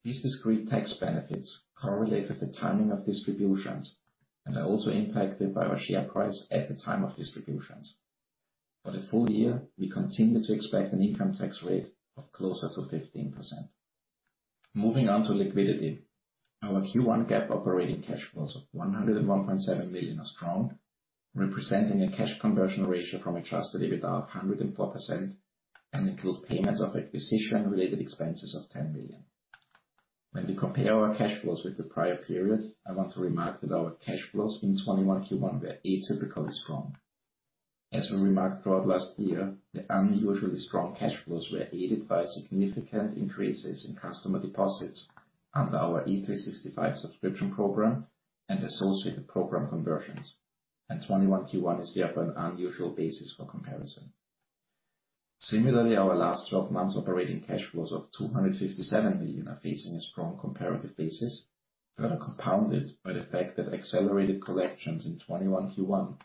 Speaker 7: These discrete tax benefits correlate with the timing of distributions and are also impacted by our share price at the time of distributions. For the full year, we continue to expect an income tax rate of closer to 15%. Moving on to liquidity. Our Q1 GAAP operating cash flows of $101.7 million are strong, representing a cash conversion ratio from adjusted EBITDA of 104%, and include payments of acquisition-related expenses of $10 million. When we compare our cash flows with the prior period, I want to remark that our cash flows in 2021 Q1 were atypically strong. As we remarked throughout last year, the unusually strong cash flows were aided by significant increases in customer deposits under our E365 subscription program and associated program conversions. 2021 Q1 is therefore an unusual basis for comparison. Similarly, our last twelve months operating cash flows of $257 million are facing a strong comparative basis, further compounded by the fact that accelerated collections in 2021 Q1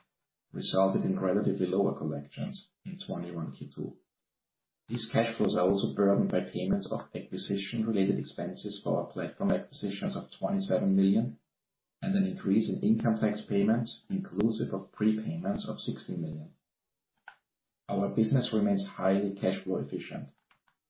Speaker 7: resulted in relatively lower collections in 2021 Q2. These cash flows are also burdened by payments of acquisition related expenses for our platform acquisitions of $27 million and an increase in income tax payments inclusive of prepayments of $60 million. Our business remains highly cash flow efficient,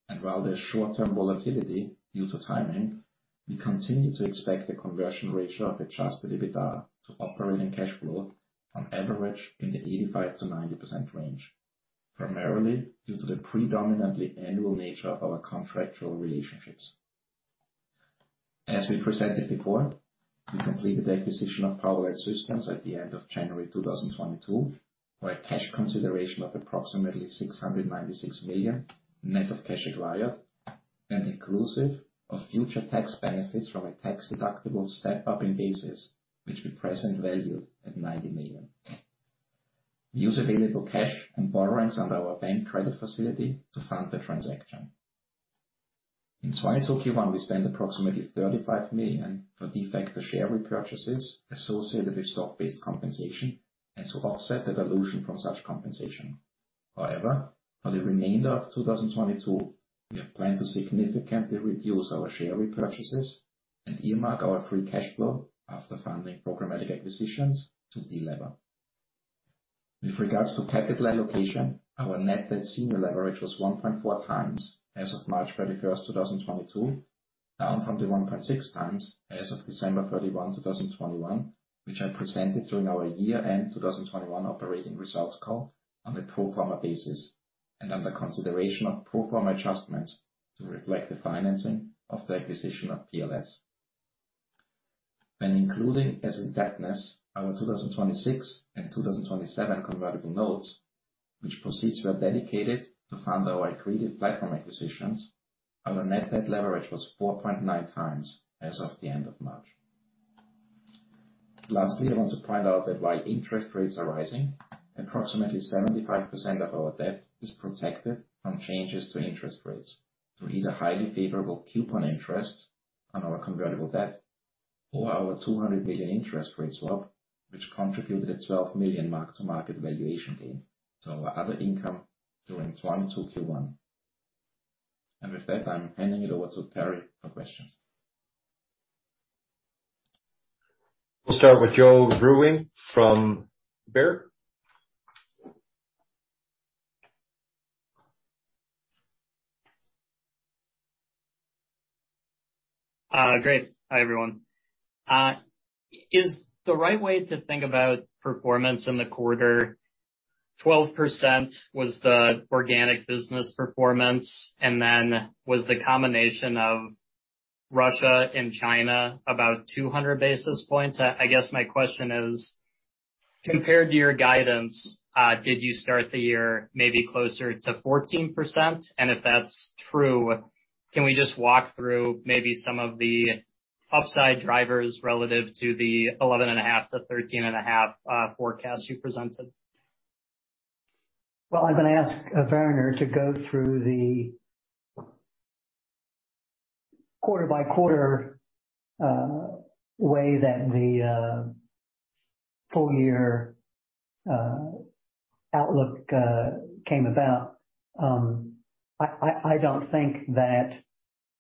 Speaker 7: and while there's short-term volatility due to timing, we continue to expect a conversion ratio of adjusted EBITDA to operating cash flow on average in the 85%-90% range, primarily due to the predominantly annual nature of our contractual relationships. We presented before we completed the acquisition of Seequent at the end of January 2022 for a cash consideration of approximately $696 million, net of cash acquired and inclusive of future tax benefits from a tax-deductible step-up in basis, which we present value at $90 million. We use available cash and borrowings under our bank credit facility to fund the transaction. In 2022 Q1, we spent approximately $35 million for de facto share repurchases associated with stock-based compensation and to offset the dilution from such compensation. However, for the remainder of 2022, we plan to significantly reduce our share repurchases and earmark our free cash flow after funding programmatic acquisitions to delever. With regards to capital allocation, our net debt senior leverage was 1.4 times as of March 31, 2022. Down from the 1.6 times as of December 31, 2021, which I presented during our year-end 2021 operating results call on a pro forma basis and under consideration of pro forma adjustments to reflect the financing of the acquisition of PLS. When including as indebtedness our 2026 and 2027 convertible notes, which proceeds were dedicated to fund our accretive platform acquisitions, our net debt leverage was 4.9 times as of the end of March. Lastly, I want to point out that while interest rates are rising, approximately 75% of our debt is protected from changes to interest rates through either highly favorable coupon interest on our convertible debt or our $200 million interest rate swap, which contributed a $12 million mark-to-market valuation gain to our other income during 2022 Q1. With that, I'm handing it over to Carey for questions.
Speaker 1: We'll start with Joe Vruwink from Baird.
Speaker 8: Great. Hi, everyone. Is the right way to think about performance in the quarter, 12% was the organic business performance, and then was the combination of Russia and China about 200 basis points? I guess my question is, compared to your guidance, did you start the year maybe closer to 14%? If that's true, can we just walk through maybe some of the upside drivers relative to the 11.5%-13.5% forecast you presented?
Speaker 2: Well, I'm gonna ask Werner to go through the quarter by quarter way that the full year outlook came about. I don't think that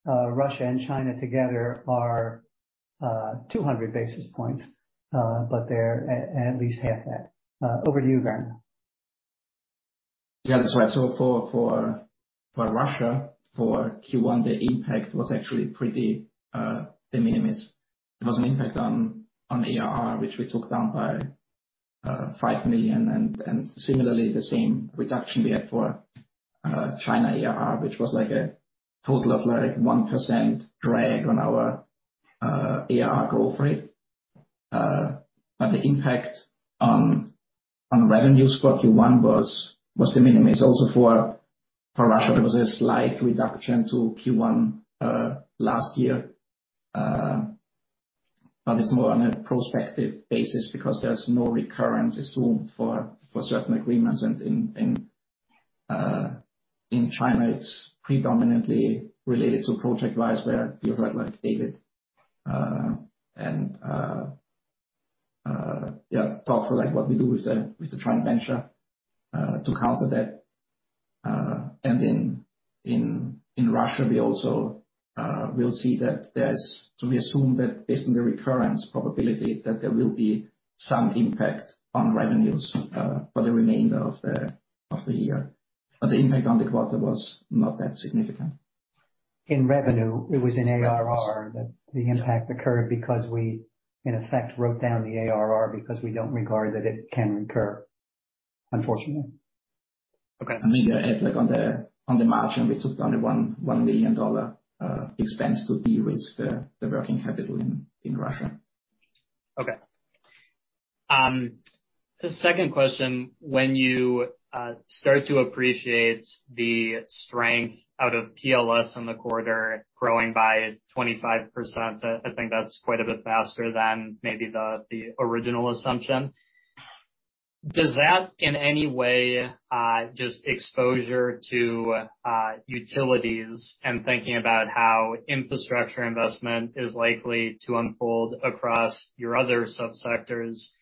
Speaker 2: Russia and China together are 200 basis points, but they're at least half that. Over to you, Werner.
Speaker 7: Yeah, that's right. For Russia, for Q1, the impact was actually pretty de minimis. It was an impact on ARR, which we took down by $5 million. Similarly, the same reduction we had for China ARR, which was like a total of like 1% drag on our ARR growth rate. The impact on revenues for Q1 was de minimis. Also for Russia, there was a slight reduction to Q1 last year. It's more on a prospective basis because there's no recurrence assumed for certain agreements. In China, it's predominantly related to ProjectWise, where you heard like David and yeah talk for like what we do with the joint venture to counter that. In Russia we also will see that there's. We assume that based on the recurrence probability, that there will be some impact on revenues for the remainder of the year. The impact on the quarter was not that significant.
Speaker 2: In revenue. It was in ARR that the impact occurred because we, in effect, wrote down the ARR because we don't regard that it can recur, unfortunately.
Speaker 8: Okay.
Speaker 7: I mean, yeah, it's like on the margin, we took down a $1 million expense to de-risk the working capital in Russia.
Speaker 8: Okay. The second question, when you start to appreciate the strength out of PLS in the quarter growing by 25%, I think that's quite a bit faster than maybe the original assumption. Does that, in any way, just exposure to utilities and thinking about how infrastructure investment is likely to unfold across your other sub-sectors,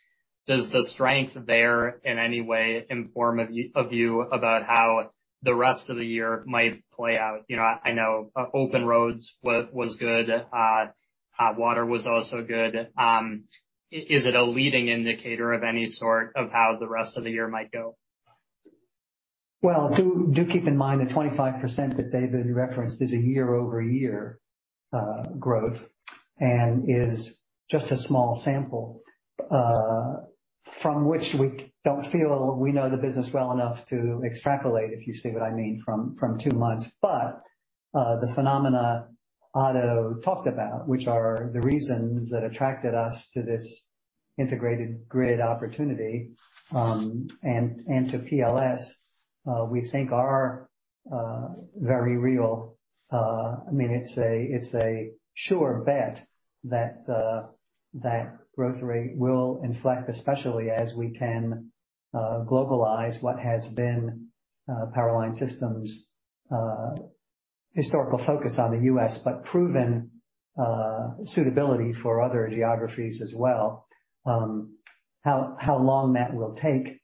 Speaker 8: does the strength there in any way inform a view about how the rest of the year might play out? You know, I know, OpenRoads was good. OpenFlows was also good. Is it a leading indicator of any sort of how the rest of the year might go?
Speaker 2: Well, do keep in mind the 25% that David referenced is a year-over-year growth and is just a small sample from which we don't feel we know the business well enough to extrapolate, if you see what I mean, from two months. The phenomena Otto talked about, which are the reasons that attracted us to this integrated grid opportunity, and to PLS, we think are very real. I mean, it's a sure bet that that growth rate will inflect, especially as we can globalize what has been Power Line Systems' historical focus on the U.S., but proven suitability for other geographies as well. How long that will take,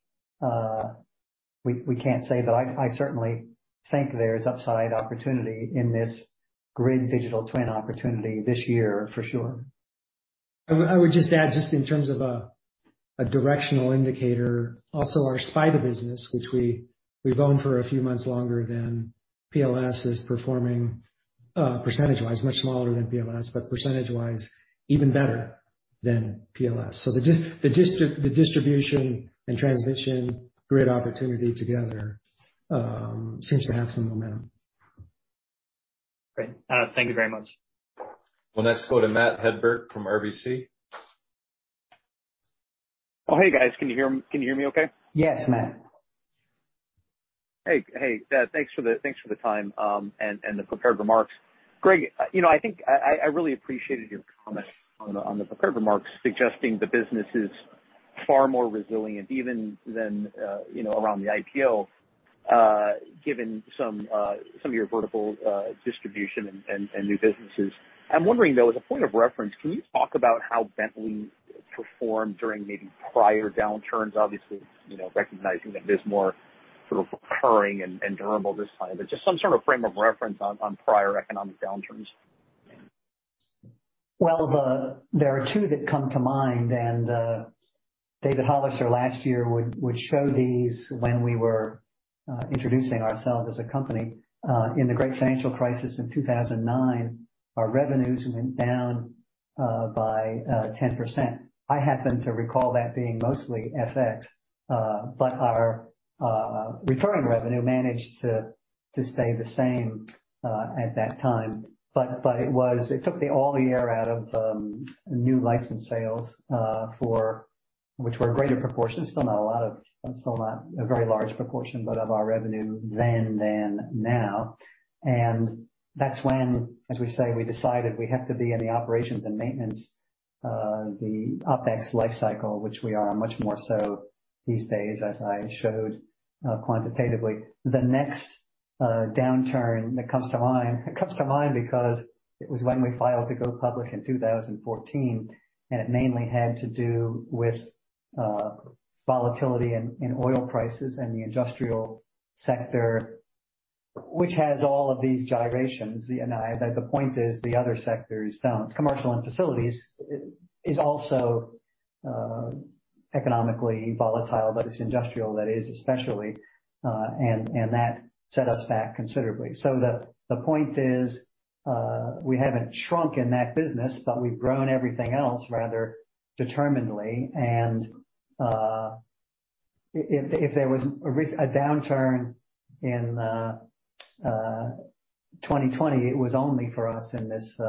Speaker 2: we can't say, but I certainly think there's upside opportunity in this grid digital twin opportunity this year for sure.
Speaker 4: I would just add, just in terms of a directional indicator, also our SPIDA business, which we've owned for a few months longer than PLS, is performing, percentage-wise, much smaller than PLS, but percentage-wise even better than PLS. The distribution and transmission grid opportunity together seems to have some momentum.
Speaker 8: Great. Thank you very much.
Speaker 1: We'll next go to Matt Hedberg from RBC.
Speaker 9: Oh, hey, guys. Can you hear me, can you hear me okay?
Speaker 2: Yes, Matt.
Speaker 9: Hey, hey. Thanks for the time and the prepared remarks. Greg, you know, I think I really appreciated your comment on the prepared remarks suggesting the business is far more resilient even than, you know, around the IPO, given some of your vertical distribution and new businesses. I'm wondering, though, as a point of reference, can you talk about how Bentley performed during maybe prior downturns? Obviously, you know, recognizing that there's more sort of recurring and durable this time. Just some sort of frame of reference on prior economic downturns.
Speaker 2: Well, there are two that come to mind, and David Hollister last year would show these when we were introducing ourselves as a company. In the great financial crisis in 2009, our revenues went down by 10%. I happen to recall that being mostly FX, but our recurring revenue managed to stay the same at that time. It took all the air out of new license sales, for which were a greater proportion. Still not a very large proportion, but of our revenue then than now. That's when, as we say, we decided we have to be in the operations and maintenance, the OpEx life cycle, which we are much more so these days, as I showed quantitatively. The next downturn that comes to mind, it comes to mind because it was when we filed to go public in 2014, and it mainly had to do with volatility in oil prices and the industrial sector, which has all of these gyrations. The point is the other sectors don't. Commercial and facilities is also economically volatile, but it's industrial that is especially, and that set us back considerably. The point is we haven't shrunk in that business, but we've grown everything else rather determinedly. If there was a downturn in 2020, it was only for us in this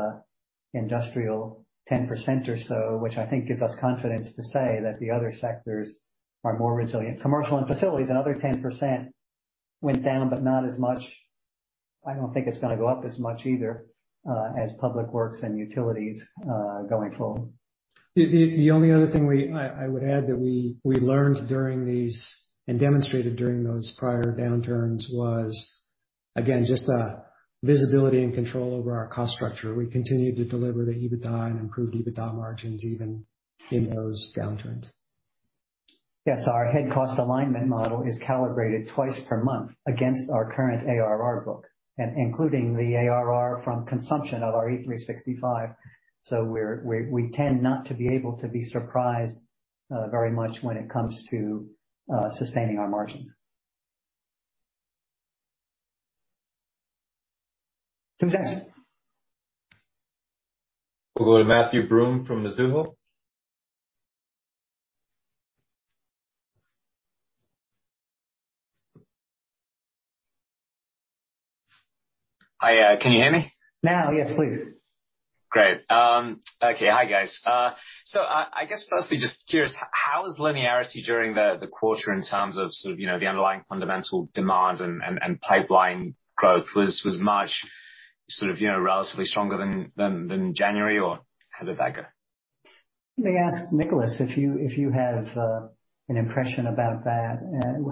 Speaker 2: industrial 10% or so, which I think gives us confidence to say that the other sectors are more resilient. Commercial and facilities, another 10% went down, but not as much. I don't think it's gonna go up as much either, as public works and utilities, going forward.
Speaker 4: The only other thing I would add that we learned during these and demonstrated during those prior downturns was, again, just a visibility and control over our cost structure. We continued to deliver the EBITDA and improved EBITDA margins even in those downturns.
Speaker 2: Yes. Our headcount cost alignment model is calibrated twice per month against our current ARR book, including the ARR from consumption of our E365. We tend not to be able to be surprised very much when it comes to sustaining our margins.
Speaker 1: We'll go to Matthew Broome from Mizuho.
Speaker 10: Hi, can you hear me?
Speaker 2: Now, yes, please.
Speaker 10: Great. Okay. Hi, guys. I guess firstly just curious, how is linearity during the quarter in terms of sort of, you know, the underlying fundamental demand and pipeline growth? Was March sort of, you know, relatively stronger than January, or how did that go?
Speaker 2: Let me ask Nicholas if you have an impression about that,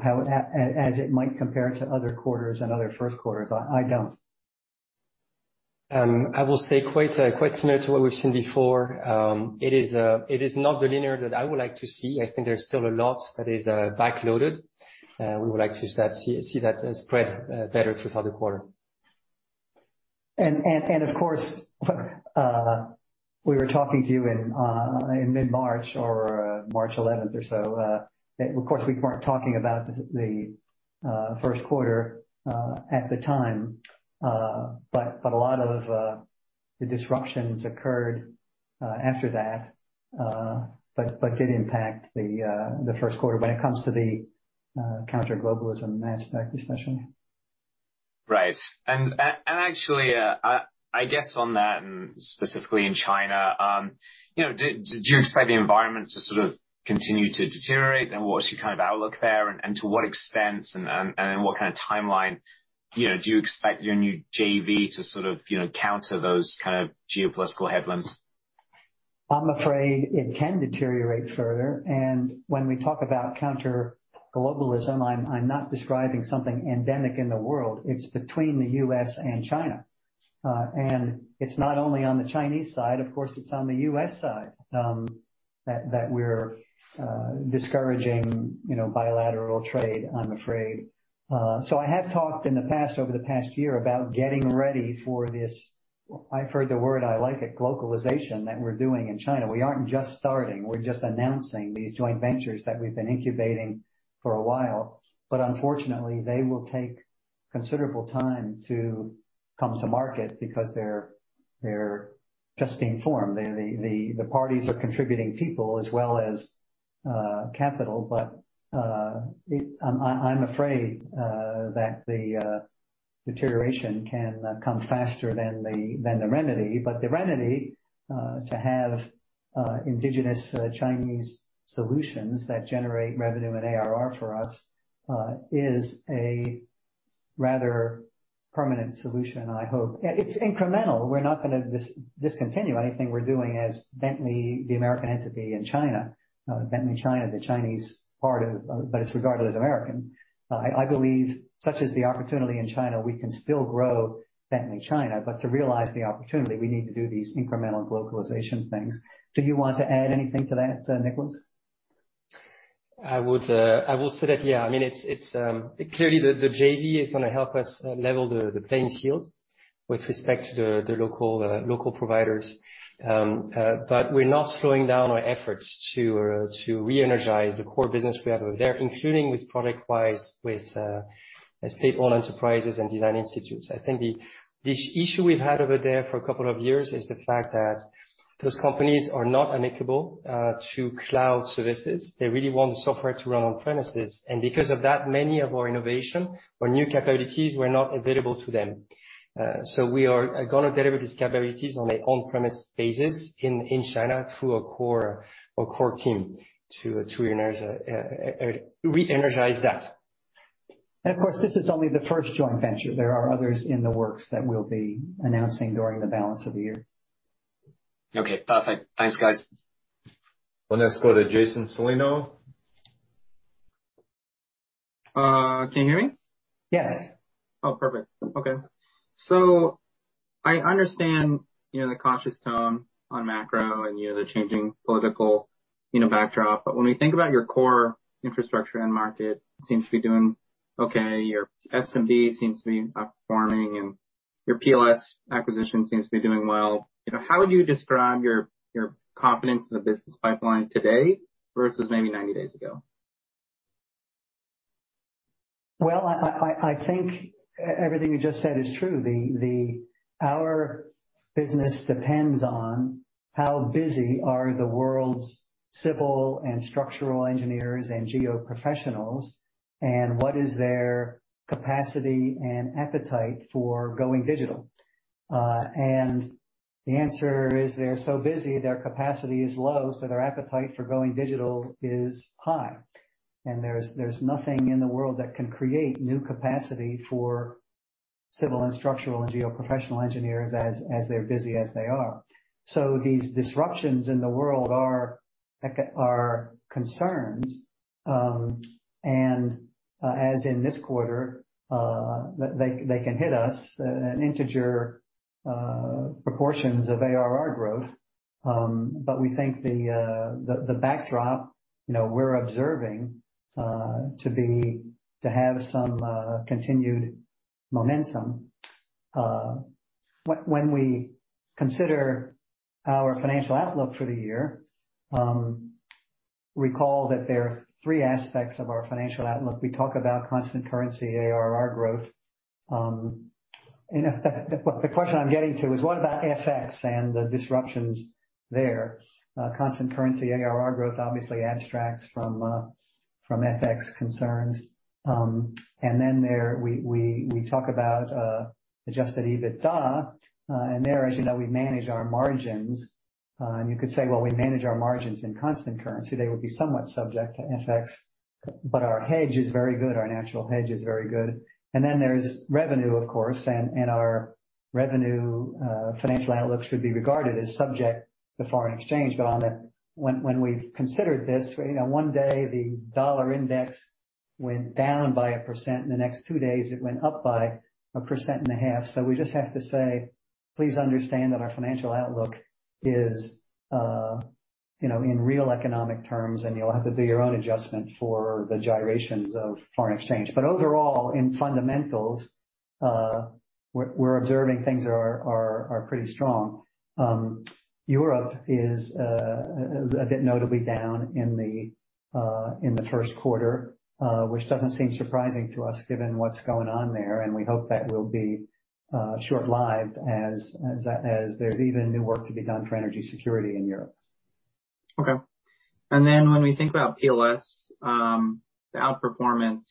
Speaker 2: how it as it might compare to other quarters and other first quarters. I don't.
Speaker 3: I will say quite similar to what we've seen before. It is not the linearity that I would like to see. I think there's still a lot that is backloaded. We would like to see that spread better throughout the quarter.
Speaker 2: Of course, we were talking to you in mid-March or March eleventh or so. Of course, we weren't talking about the first quarter at the time, but a lot of the disruptions occurred after that, but did impact the first quarter when it comes to the counter-globalism aspect especially.
Speaker 10: Right. Actually, I guess on that and specifically in China, you know, did you expect the environment to sort of continue to deteriorate? What was your kind of outlook there, and to what extent, and what kind of timeline? You know, do you expect your new JV to sort of, you know, counter those kind of geopolitical headwinds?
Speaker 2: I'm afraid it can deteriorate further. When we talk about counter-globalism, I'm not describing something endemic in the world. It's between the U.S. and China. It's not only on the Chinese side, of course. It's on the U.S. side that we're discouraging, you know, bilateral trade, I'm afraid. I have talked in the past, over the past year, about getting ready for this. I've heard the word. I like it, glocalization that we're doing in China. We aren't just starting. We're just announcing these joint ventures that we've been incubating for a while. Unfortunately, they will take considerable time to come to market because they're just being formed. The parties are contributing people as well as capital. I'm afraid that the deterioration can come faster than the remedy. The remedy to have indigenous Chinese solutions that generate revenue and ARR for us is a rather permanent solution, I hope. It's incremental. We're not gonna discontinue anything we're doing as Bentley, the American entity in China, Bentley China, the Chinese part of, but it's regardless American. I believe such is the opportunity in China. We can still grow Bentley China, but to realize the opportunity, we need to do these incremental glocalization things. Do you want to add anything to that, Nicholas?
Speaker 3: I will say that, yeah, I mean, it's clearly the JV is gonna help us level the playing field with respect to the local providers. But we're not slowing down our efforts to re-energize the core business we have over there, including ProjectWise with state-owned enterprises and design institutes. I think this issue we've had over there for a couple of years is the fact that those companies are not amenable to cloud services. They really want the software to run on premises. Because of that, many of our innovations and new capabilities were not available to them. So we are gonna deliver these capabilities on an on-premises basis in China through a core team to re-energize that.
Speaker 2: Of course, this is only the first joint venture. There are others in the works that we'll be announcing during the balance of the year.
Speaker 10: Okay, perfect. Thanks, guys.
Speaker 1: We'll next go to Jason Celino.
Speaker 11: Can you hear me?
Speaker 2: Yes.
Speaker 11: Oh, perfect. Okay. I understand, you know, the cautious tone on macro and, you know, the changing political, you know, backdrop. But when we think about your core infrastructure end market seems to be doing okay. Your SMB seems to be outperforming, and your PLS acquisition seems to be doing well. You know, how would you describe your confidence in the business pipeline today versus maybe 90 days ago?
Speaker 2: Well, I think everything you just said is true. Our business depends on how busy are the world's civil and structural engineers and geo professionals, and what is their capacity and appetite for going digital. The answer is they're so busy, their capacity is low, so their appetite for going digital is high. There's nothing in the world that can create new capacity for civil and structural and geo professional engineers as they're busy as they are. These disruptions in the world are concerns, and as in this quarter, they can hit us in significant proportions of ARR growth. We think the backdrop, you know, we're observing to have some continued momentum. When we consider our financial outlook for the year, recall that there are three aspects of our financial outlook. We talk about constant currency ARR growth. The question I'm getting to is what about FX and the disruptions there? Constant currency ARR growth obviously abstracts from FX concerns. We talk about adjusted EBITDA, and there, as you know, we manage our margins. You could say, well, we manage our margins in constant currency. They would be somewhat subject to FX, but our hedge is very good. Our natural hedge is very good. There's revenue, of course, and our revenue financial outlook should be regarded as subject to foreign exchange. On the When we've considered this, you know, one day the dollar index went down by 1%. In the next two days, it went up by 1.5%. We just have to say, please understand that our financial outlook is, you know, in real economic terms, and you'll have to do your own adjustment for the gyrations of foreign exchange. Overall, in fundamentals, we're observing things are pretty strong. Europe is a bit notably down in the first quarter, which doesn't seem surprising to us given what's going on there, and we hope that will be short-lived as there's even new work to be done for energy security in Europe.
Speaker 11: Okay. Then when we think about PLS, the outperformance,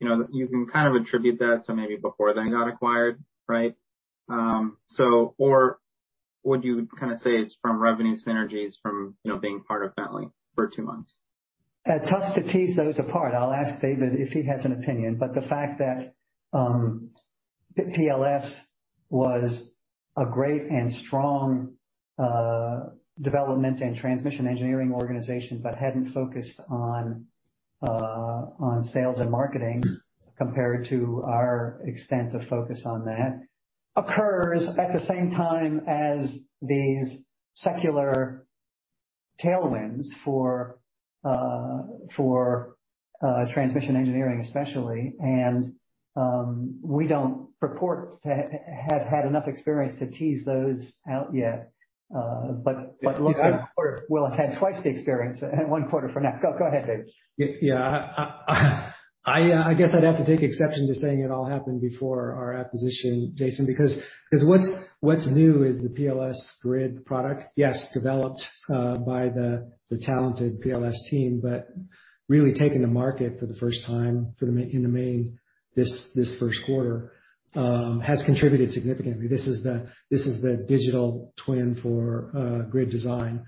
Speaker 11: you know, you can kind of attribute that to maybe before they got acquired, right? Would you kind of say it's from revenue synergies from, you know, being part of Bentley for two months?
Speaker 2: Tough to tease those apart. I'll ask David if he has an opinion. The fact that PLS was a great and strong development and transmission engineering organization, but hadn't focused on sales and marketing compared to our extensive focus on that occurs at the same time as these secular tailwinds for transmission engineering especially. We don't purport to have had enough experience to tease those out yet. But look.
Speaker 11: Yeah.
Speaker 2: We'll have had twice the experience in one quarter from now. Go ahead, David.
Speaker 4: Yeah. I guess I'd have to take exception to saying it all happened before our acquisition, Jason, because what's new is the PLS grid product. Yes, developed by the talented PLS team, but really taken to market for the first time mainly this first quarter, has contributed significantly. This is the digital twin for grid design.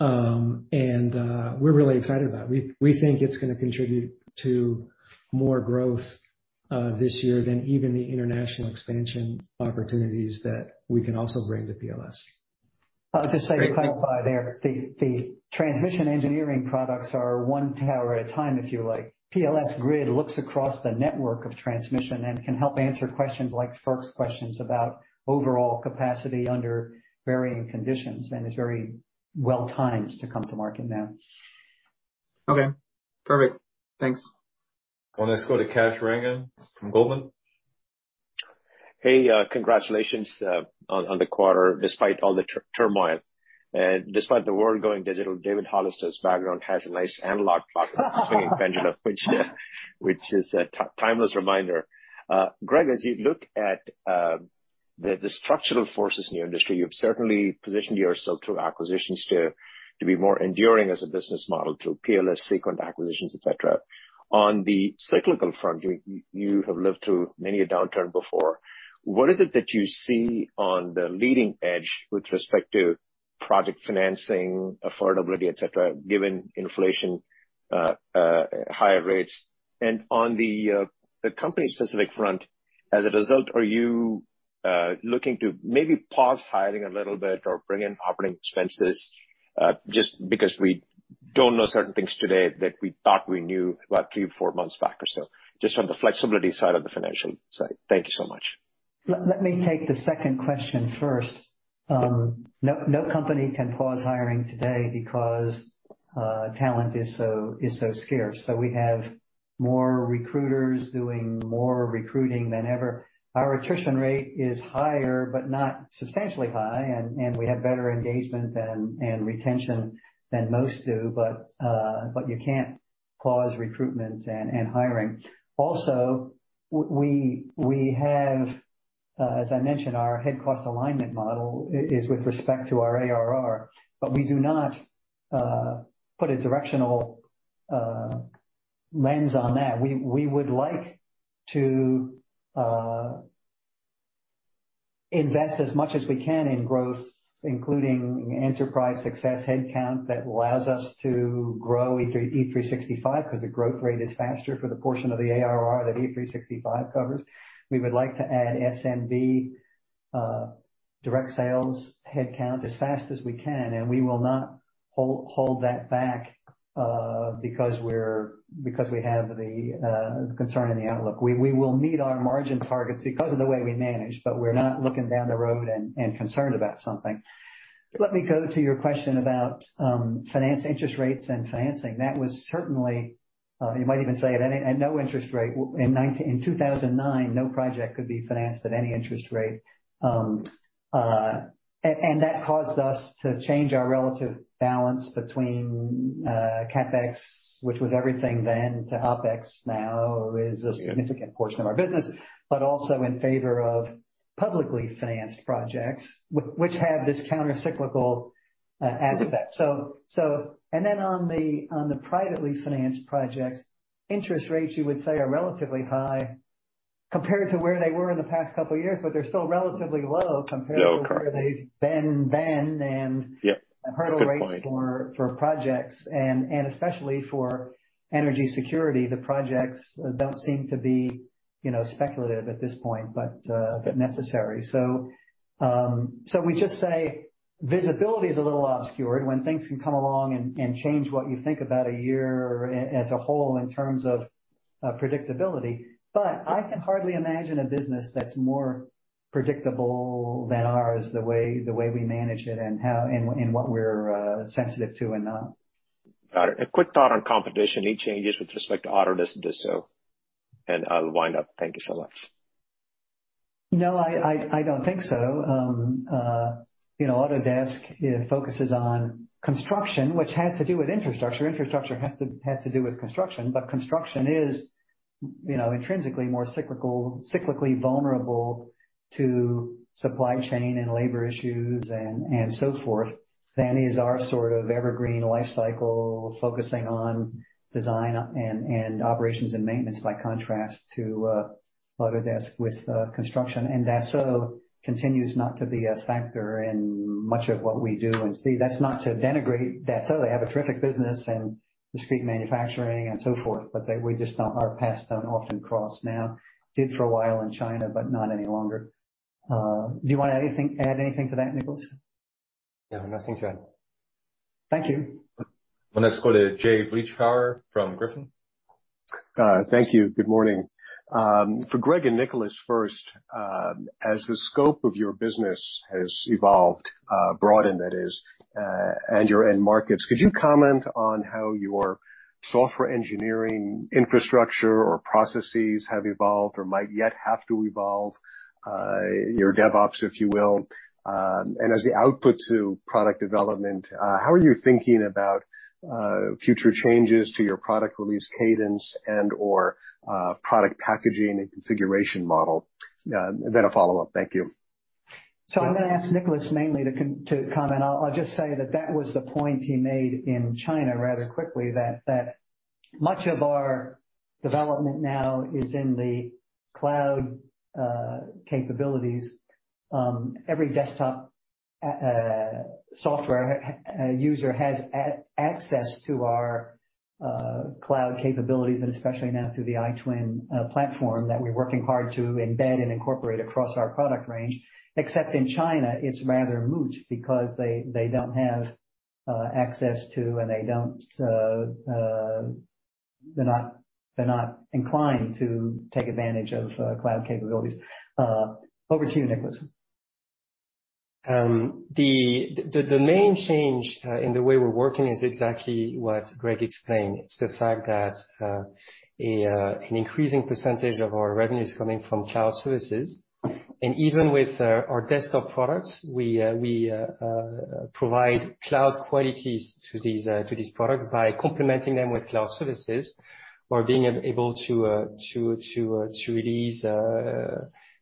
Speaker 4: We're really excited about it. We think it's gonna contribute to more growth this year than even the international expansion opportunities that we can also bring to PLS.
Speaker 2: Just to clarify there, the transmission engineering products are one tower at a time, if you like. PLS Grid looks across the network of transmission and can help answer questions like FERC's questions about overall capacity under varying conditions, and it's very well timed to come to market now.
Speaker 11: Okay. Perfect. Thanks.
Speaker 1: We'll next go to Kash Rangan from Goldman.
Speaker 12: Hey, congratulations on the quarter despite all the turmoil. Despite the world going digital, David Hollister's background has a nice analog clock-swinging pendulum, which is a timeless reminder. Greg, as you look at the structural forces in your industry, you've certainly positioned yourself through acquisitions to be more enduring as a business model through PLS, Seequent acquisitions, et cetera. On the cyclical front, you have lived through many a downturn before. What is it that you see on the leading edge with respect to project financing, affordability, et cetera, given inflation, higher rates? On the company-specific front, as a result, are you looking to maybe pause hiring a little bit or rein in operating expenses, just because we don't know certain things today that we thought we knew about three or four months back or so, just on the flexibility side of the financial side? Thank you so much.
Speaker 2: Let me take the second question first. No company can pause hiring today because talent is so scarce. We have more recruiters doing more recruiting than ever. Our attrition rate is higher, but not substantially high, and we have better engagement and retention than most do. You can't pause recruitment and hiring. Also, we have, as I mentioned, our headcount cost alignment model is with respect to our ARR, but we do not put a directional lens on that. We would like to invest as much as we can in growth, including enterprise success headcount that allows us to grow E365 'cause the growth rate is faster for the portion of the ARR that E365 covers. We would like to add SMB direct sales headcount as fast as we can, and we will not hold that back because we have the concern in the outlook. We will meet our margin targets because of the way we manage, but we're not looking down the road and concerned about something. Let me go to your question about finance interest rates and financing. That was certainly you might even say at no interest rate. In 2009, no project could be financed at any interest rate. That caused us to change our relative balance between CapEx, which was everything then, to OpEx now is a significant portion of our business. Also in favor of publicly financed projects which have this countercyclical as effect. On the privately financed projects, interest rates, you would say, are relatively high compared to where they were in the past couple of years, but they're still relatively low compared to.
Speaker 12: Low, correct.
Speaker 2: Where they've been then.
Speaker 12: Yep. Good point.
Speaker 2: Hurdle rates for projects and especially for energy security. The projects don't seem to be, you know, speculative at this point, but necessary. We just say visibility is a little obscured when things can come along and change what you think about a year as a whole in terms of predictability. I can hardly imagine a business that's more predictable than ours, the way we manage it and how and what we're sensitive to and not.
Speaker 12: Got it. A quick thought on competition. Any changes with respect to Autodesk and Dassault, and I'll wind up. Thank you so much.
Speaker 2: No, I don't think so. You know, Autodesk focuses on construction, which has to do with infrastructure. Infrastructure has to do with construction, but construction is, you know, intrinsically more cyclically vulnerable to supply chain and labor issues and so forth than is our sort of evergreen life cycle, focusing on design and operations and maintenance, by contrast to Autodesk with construction. Dassault continues not to be a factor in much of what we do and see. That's not to denigrate Dassault. They have a terrific business in discrete manufacturing and so forth, but we just don't, our paths don't often cross now. Did for a while in China, but not any longer. Do you want to add anything to that, Nicholas?
Speaker 12: No, nothing to add.
Speaker 2: Thank you.
Speaker 1: We'll next go to Jay Vleeschhouwer from Griffin.
Speaker 13: Thank you. Good morning. For Greg and Nicholas first, as the scope of your business has evolved, broadened that is, and your end markets, could you comment on how your software engineering infrastructure or processes have evolved or might yet have to evolve, your DevOps, if you will? As the output to product development, how are you thinking about future changes to your product release cadence and/or product packaging and configuration model? A follow-up. Thank you.
Speaker 2: I'm gonna ask Nicholas mainly to comment. I'll just say that that was the point he made in China rather quickly, that much of our development now is in the cloud capabilities. Every desktop software user has access to our cloud capabilities, and especially now through the iTwin Platform that we're working hard to embed and incorporate across our product range. Except in China, it's rather moot because they don't have access to and they don't, they're not inclined to take advantage of cloud capabilities. Over to you, Nicholas.
Speaker 3: The main change in the way we're working is exactly what Greg explained. It's the fact that an increasing percentage of our revenue is coming from cloud services. Even with our desktop products, we provide cloud qualities to these products by complementing them with cloud services or being able to release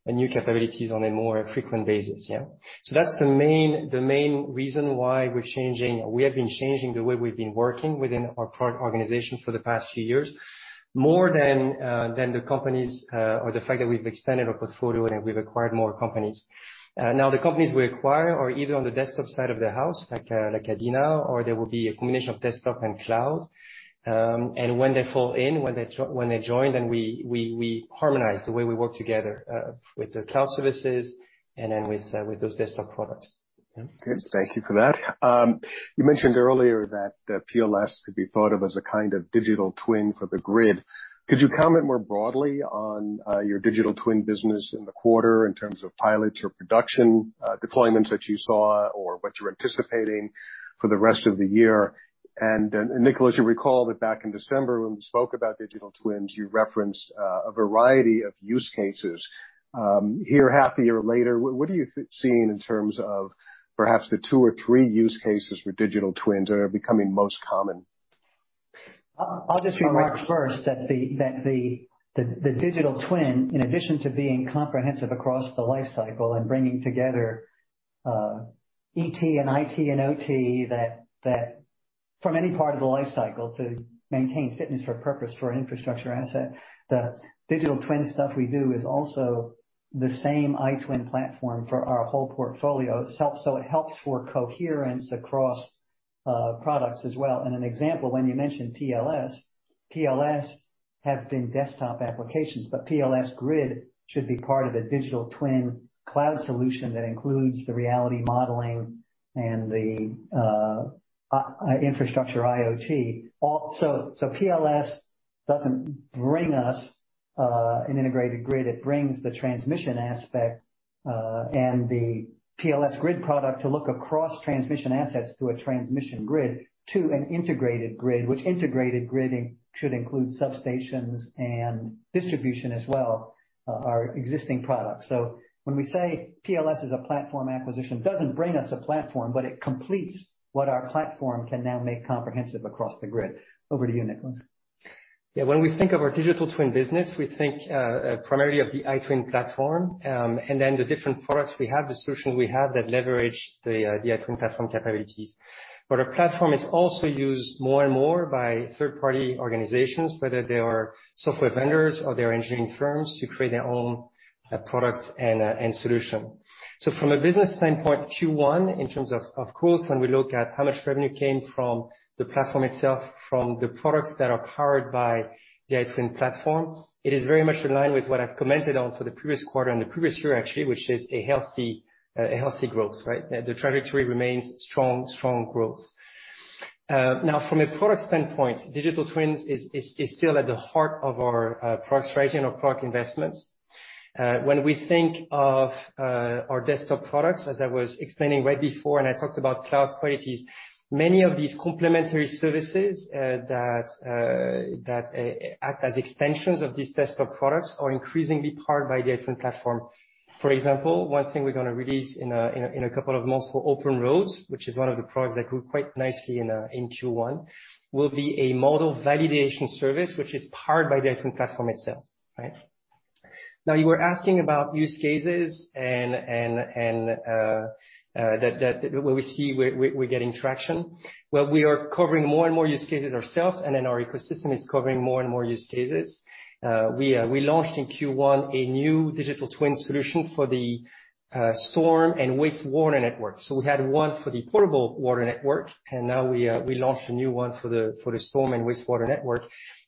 Speaker 3: new capabilities on a more frequent basis, yeah. That's the main reason why we're changing. We have been changing the way we've been working within our product organization for the past few years, more than the companies or the fact that we've extended our portfolio and we've acquired more companies. Now, the companies we acquire are either on the desktop side of the house, like ADINA, or they will be a combination of desktop and cloud. When they join, then we harmonize the way we work together with the cloud services and then with those desktop products.
Speaker 13: Good. Thank you for that. You mentioned earlier that the PLS could be thought of as a kind of digital twin for the grid. Could you comment more broadly on your digital twin business in the quarter in terms of pilots or production deployments that you saw or what you're anticipating for the rest of the year? Nicholas, you recall that back in December when we spoke about digital twins, you referenced a variety of use cases. Here, half a year later, what are you seeing in terms of perhaps the two or three use cases for digital twins that are becoming most common?
Speaker 2: I'll just remark first that the digital twin, in addition to being comprehensive across the life cycle and bringing together ET and IT and OT, that from any part of the life cycle to maintain fitness for purpose for an infrastructure asset, the digital twin stuff we do is also the same iTwin Platform for our whole portfolio. It helps for coherence across products as well. An example, when you mentioned PLS have been desktop applications, but PLS-GRID should be part of a digital twin cloud solution that includes the reality modeling and the infrastructure IoT. PLS doesn't bring us an integrated grid. It brings the transmission aspect, and the PLS Grid product to look across transmission assets to a transmission grid, to an integrated grid, which integrated gridding should include substations and distribution as well, our existing products. When we say PLS is a platform acquisition, it doesn't bring us a platform, but it completes what our platform can now make comprehensive across the grid. Over to you, Nicholas.
Speaker 3: Yeah. When we think of our digital twin business, we think primarily of the iTwin Platform, and then the different products we have, the solutions we have that leverage the iTwin Platform capabilities. Our platform is also used more and more by third-party organizations, whether they are software vendors or they are engineering firms to create their own product and solution. From a business standpoint, Q1, in terms of course, when we look at how much revenue came from the platform itself, from the products that are powered by the iTwin Platform, it is very much in line with what I've commented on for the previous quarter and the previous year, actually, which is a healthy growth, right? The trajectory remains strong growth. Now from a product standpoint, digital twins is still at the heart of our product strategy and our product investments. When we think of our desktop products, as I was explaining right before, and I talked about cloud qualities, many of these complementary services that act as extensions of these desktop products are increasingly powered by the iTwin Platform. For example, one thing we're gonna release in a couple of months for OpenRoads, which is one of the products that grew quite nicely in Q1, will be a model validation service, which is powered by the iTwin Platform itself, right? Now, you were asking about use cases and that we see we're getting traction. Well, we are covering more and more use cases ourselves, and then our ecosystem is covering more and more use cases. We launched in Q1 a new digital twin solution for the storm and wastewater network. We had one for the potable water network, and now we launched a new one for the storm and wastewater network.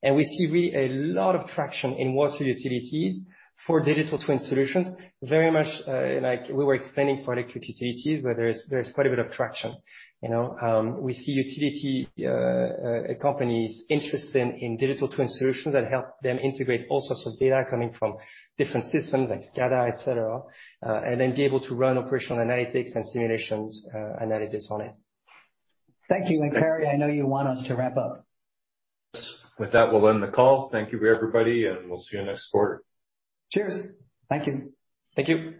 Speaker 3: We see a lot of traction in water utilities for digital twin solutions, very much like we were explaining for electric utilities, where there is quite a bit of traction. You know, we see utility companies interested in digital twin solutions that help them integrate all sorts of data coming from different systems like SCADA, et cetera, and then be able to run operational analytics and simulations, analysis on it.
Speaker 2: Thank you. Carey, I know you want us to wrap up.
Speaker 1: With that, we'll end the call. Thank you, everybody, and we'll see you next quarter.
Speaker 2: Cheers. Thank you.
Speaker 3: Thank you.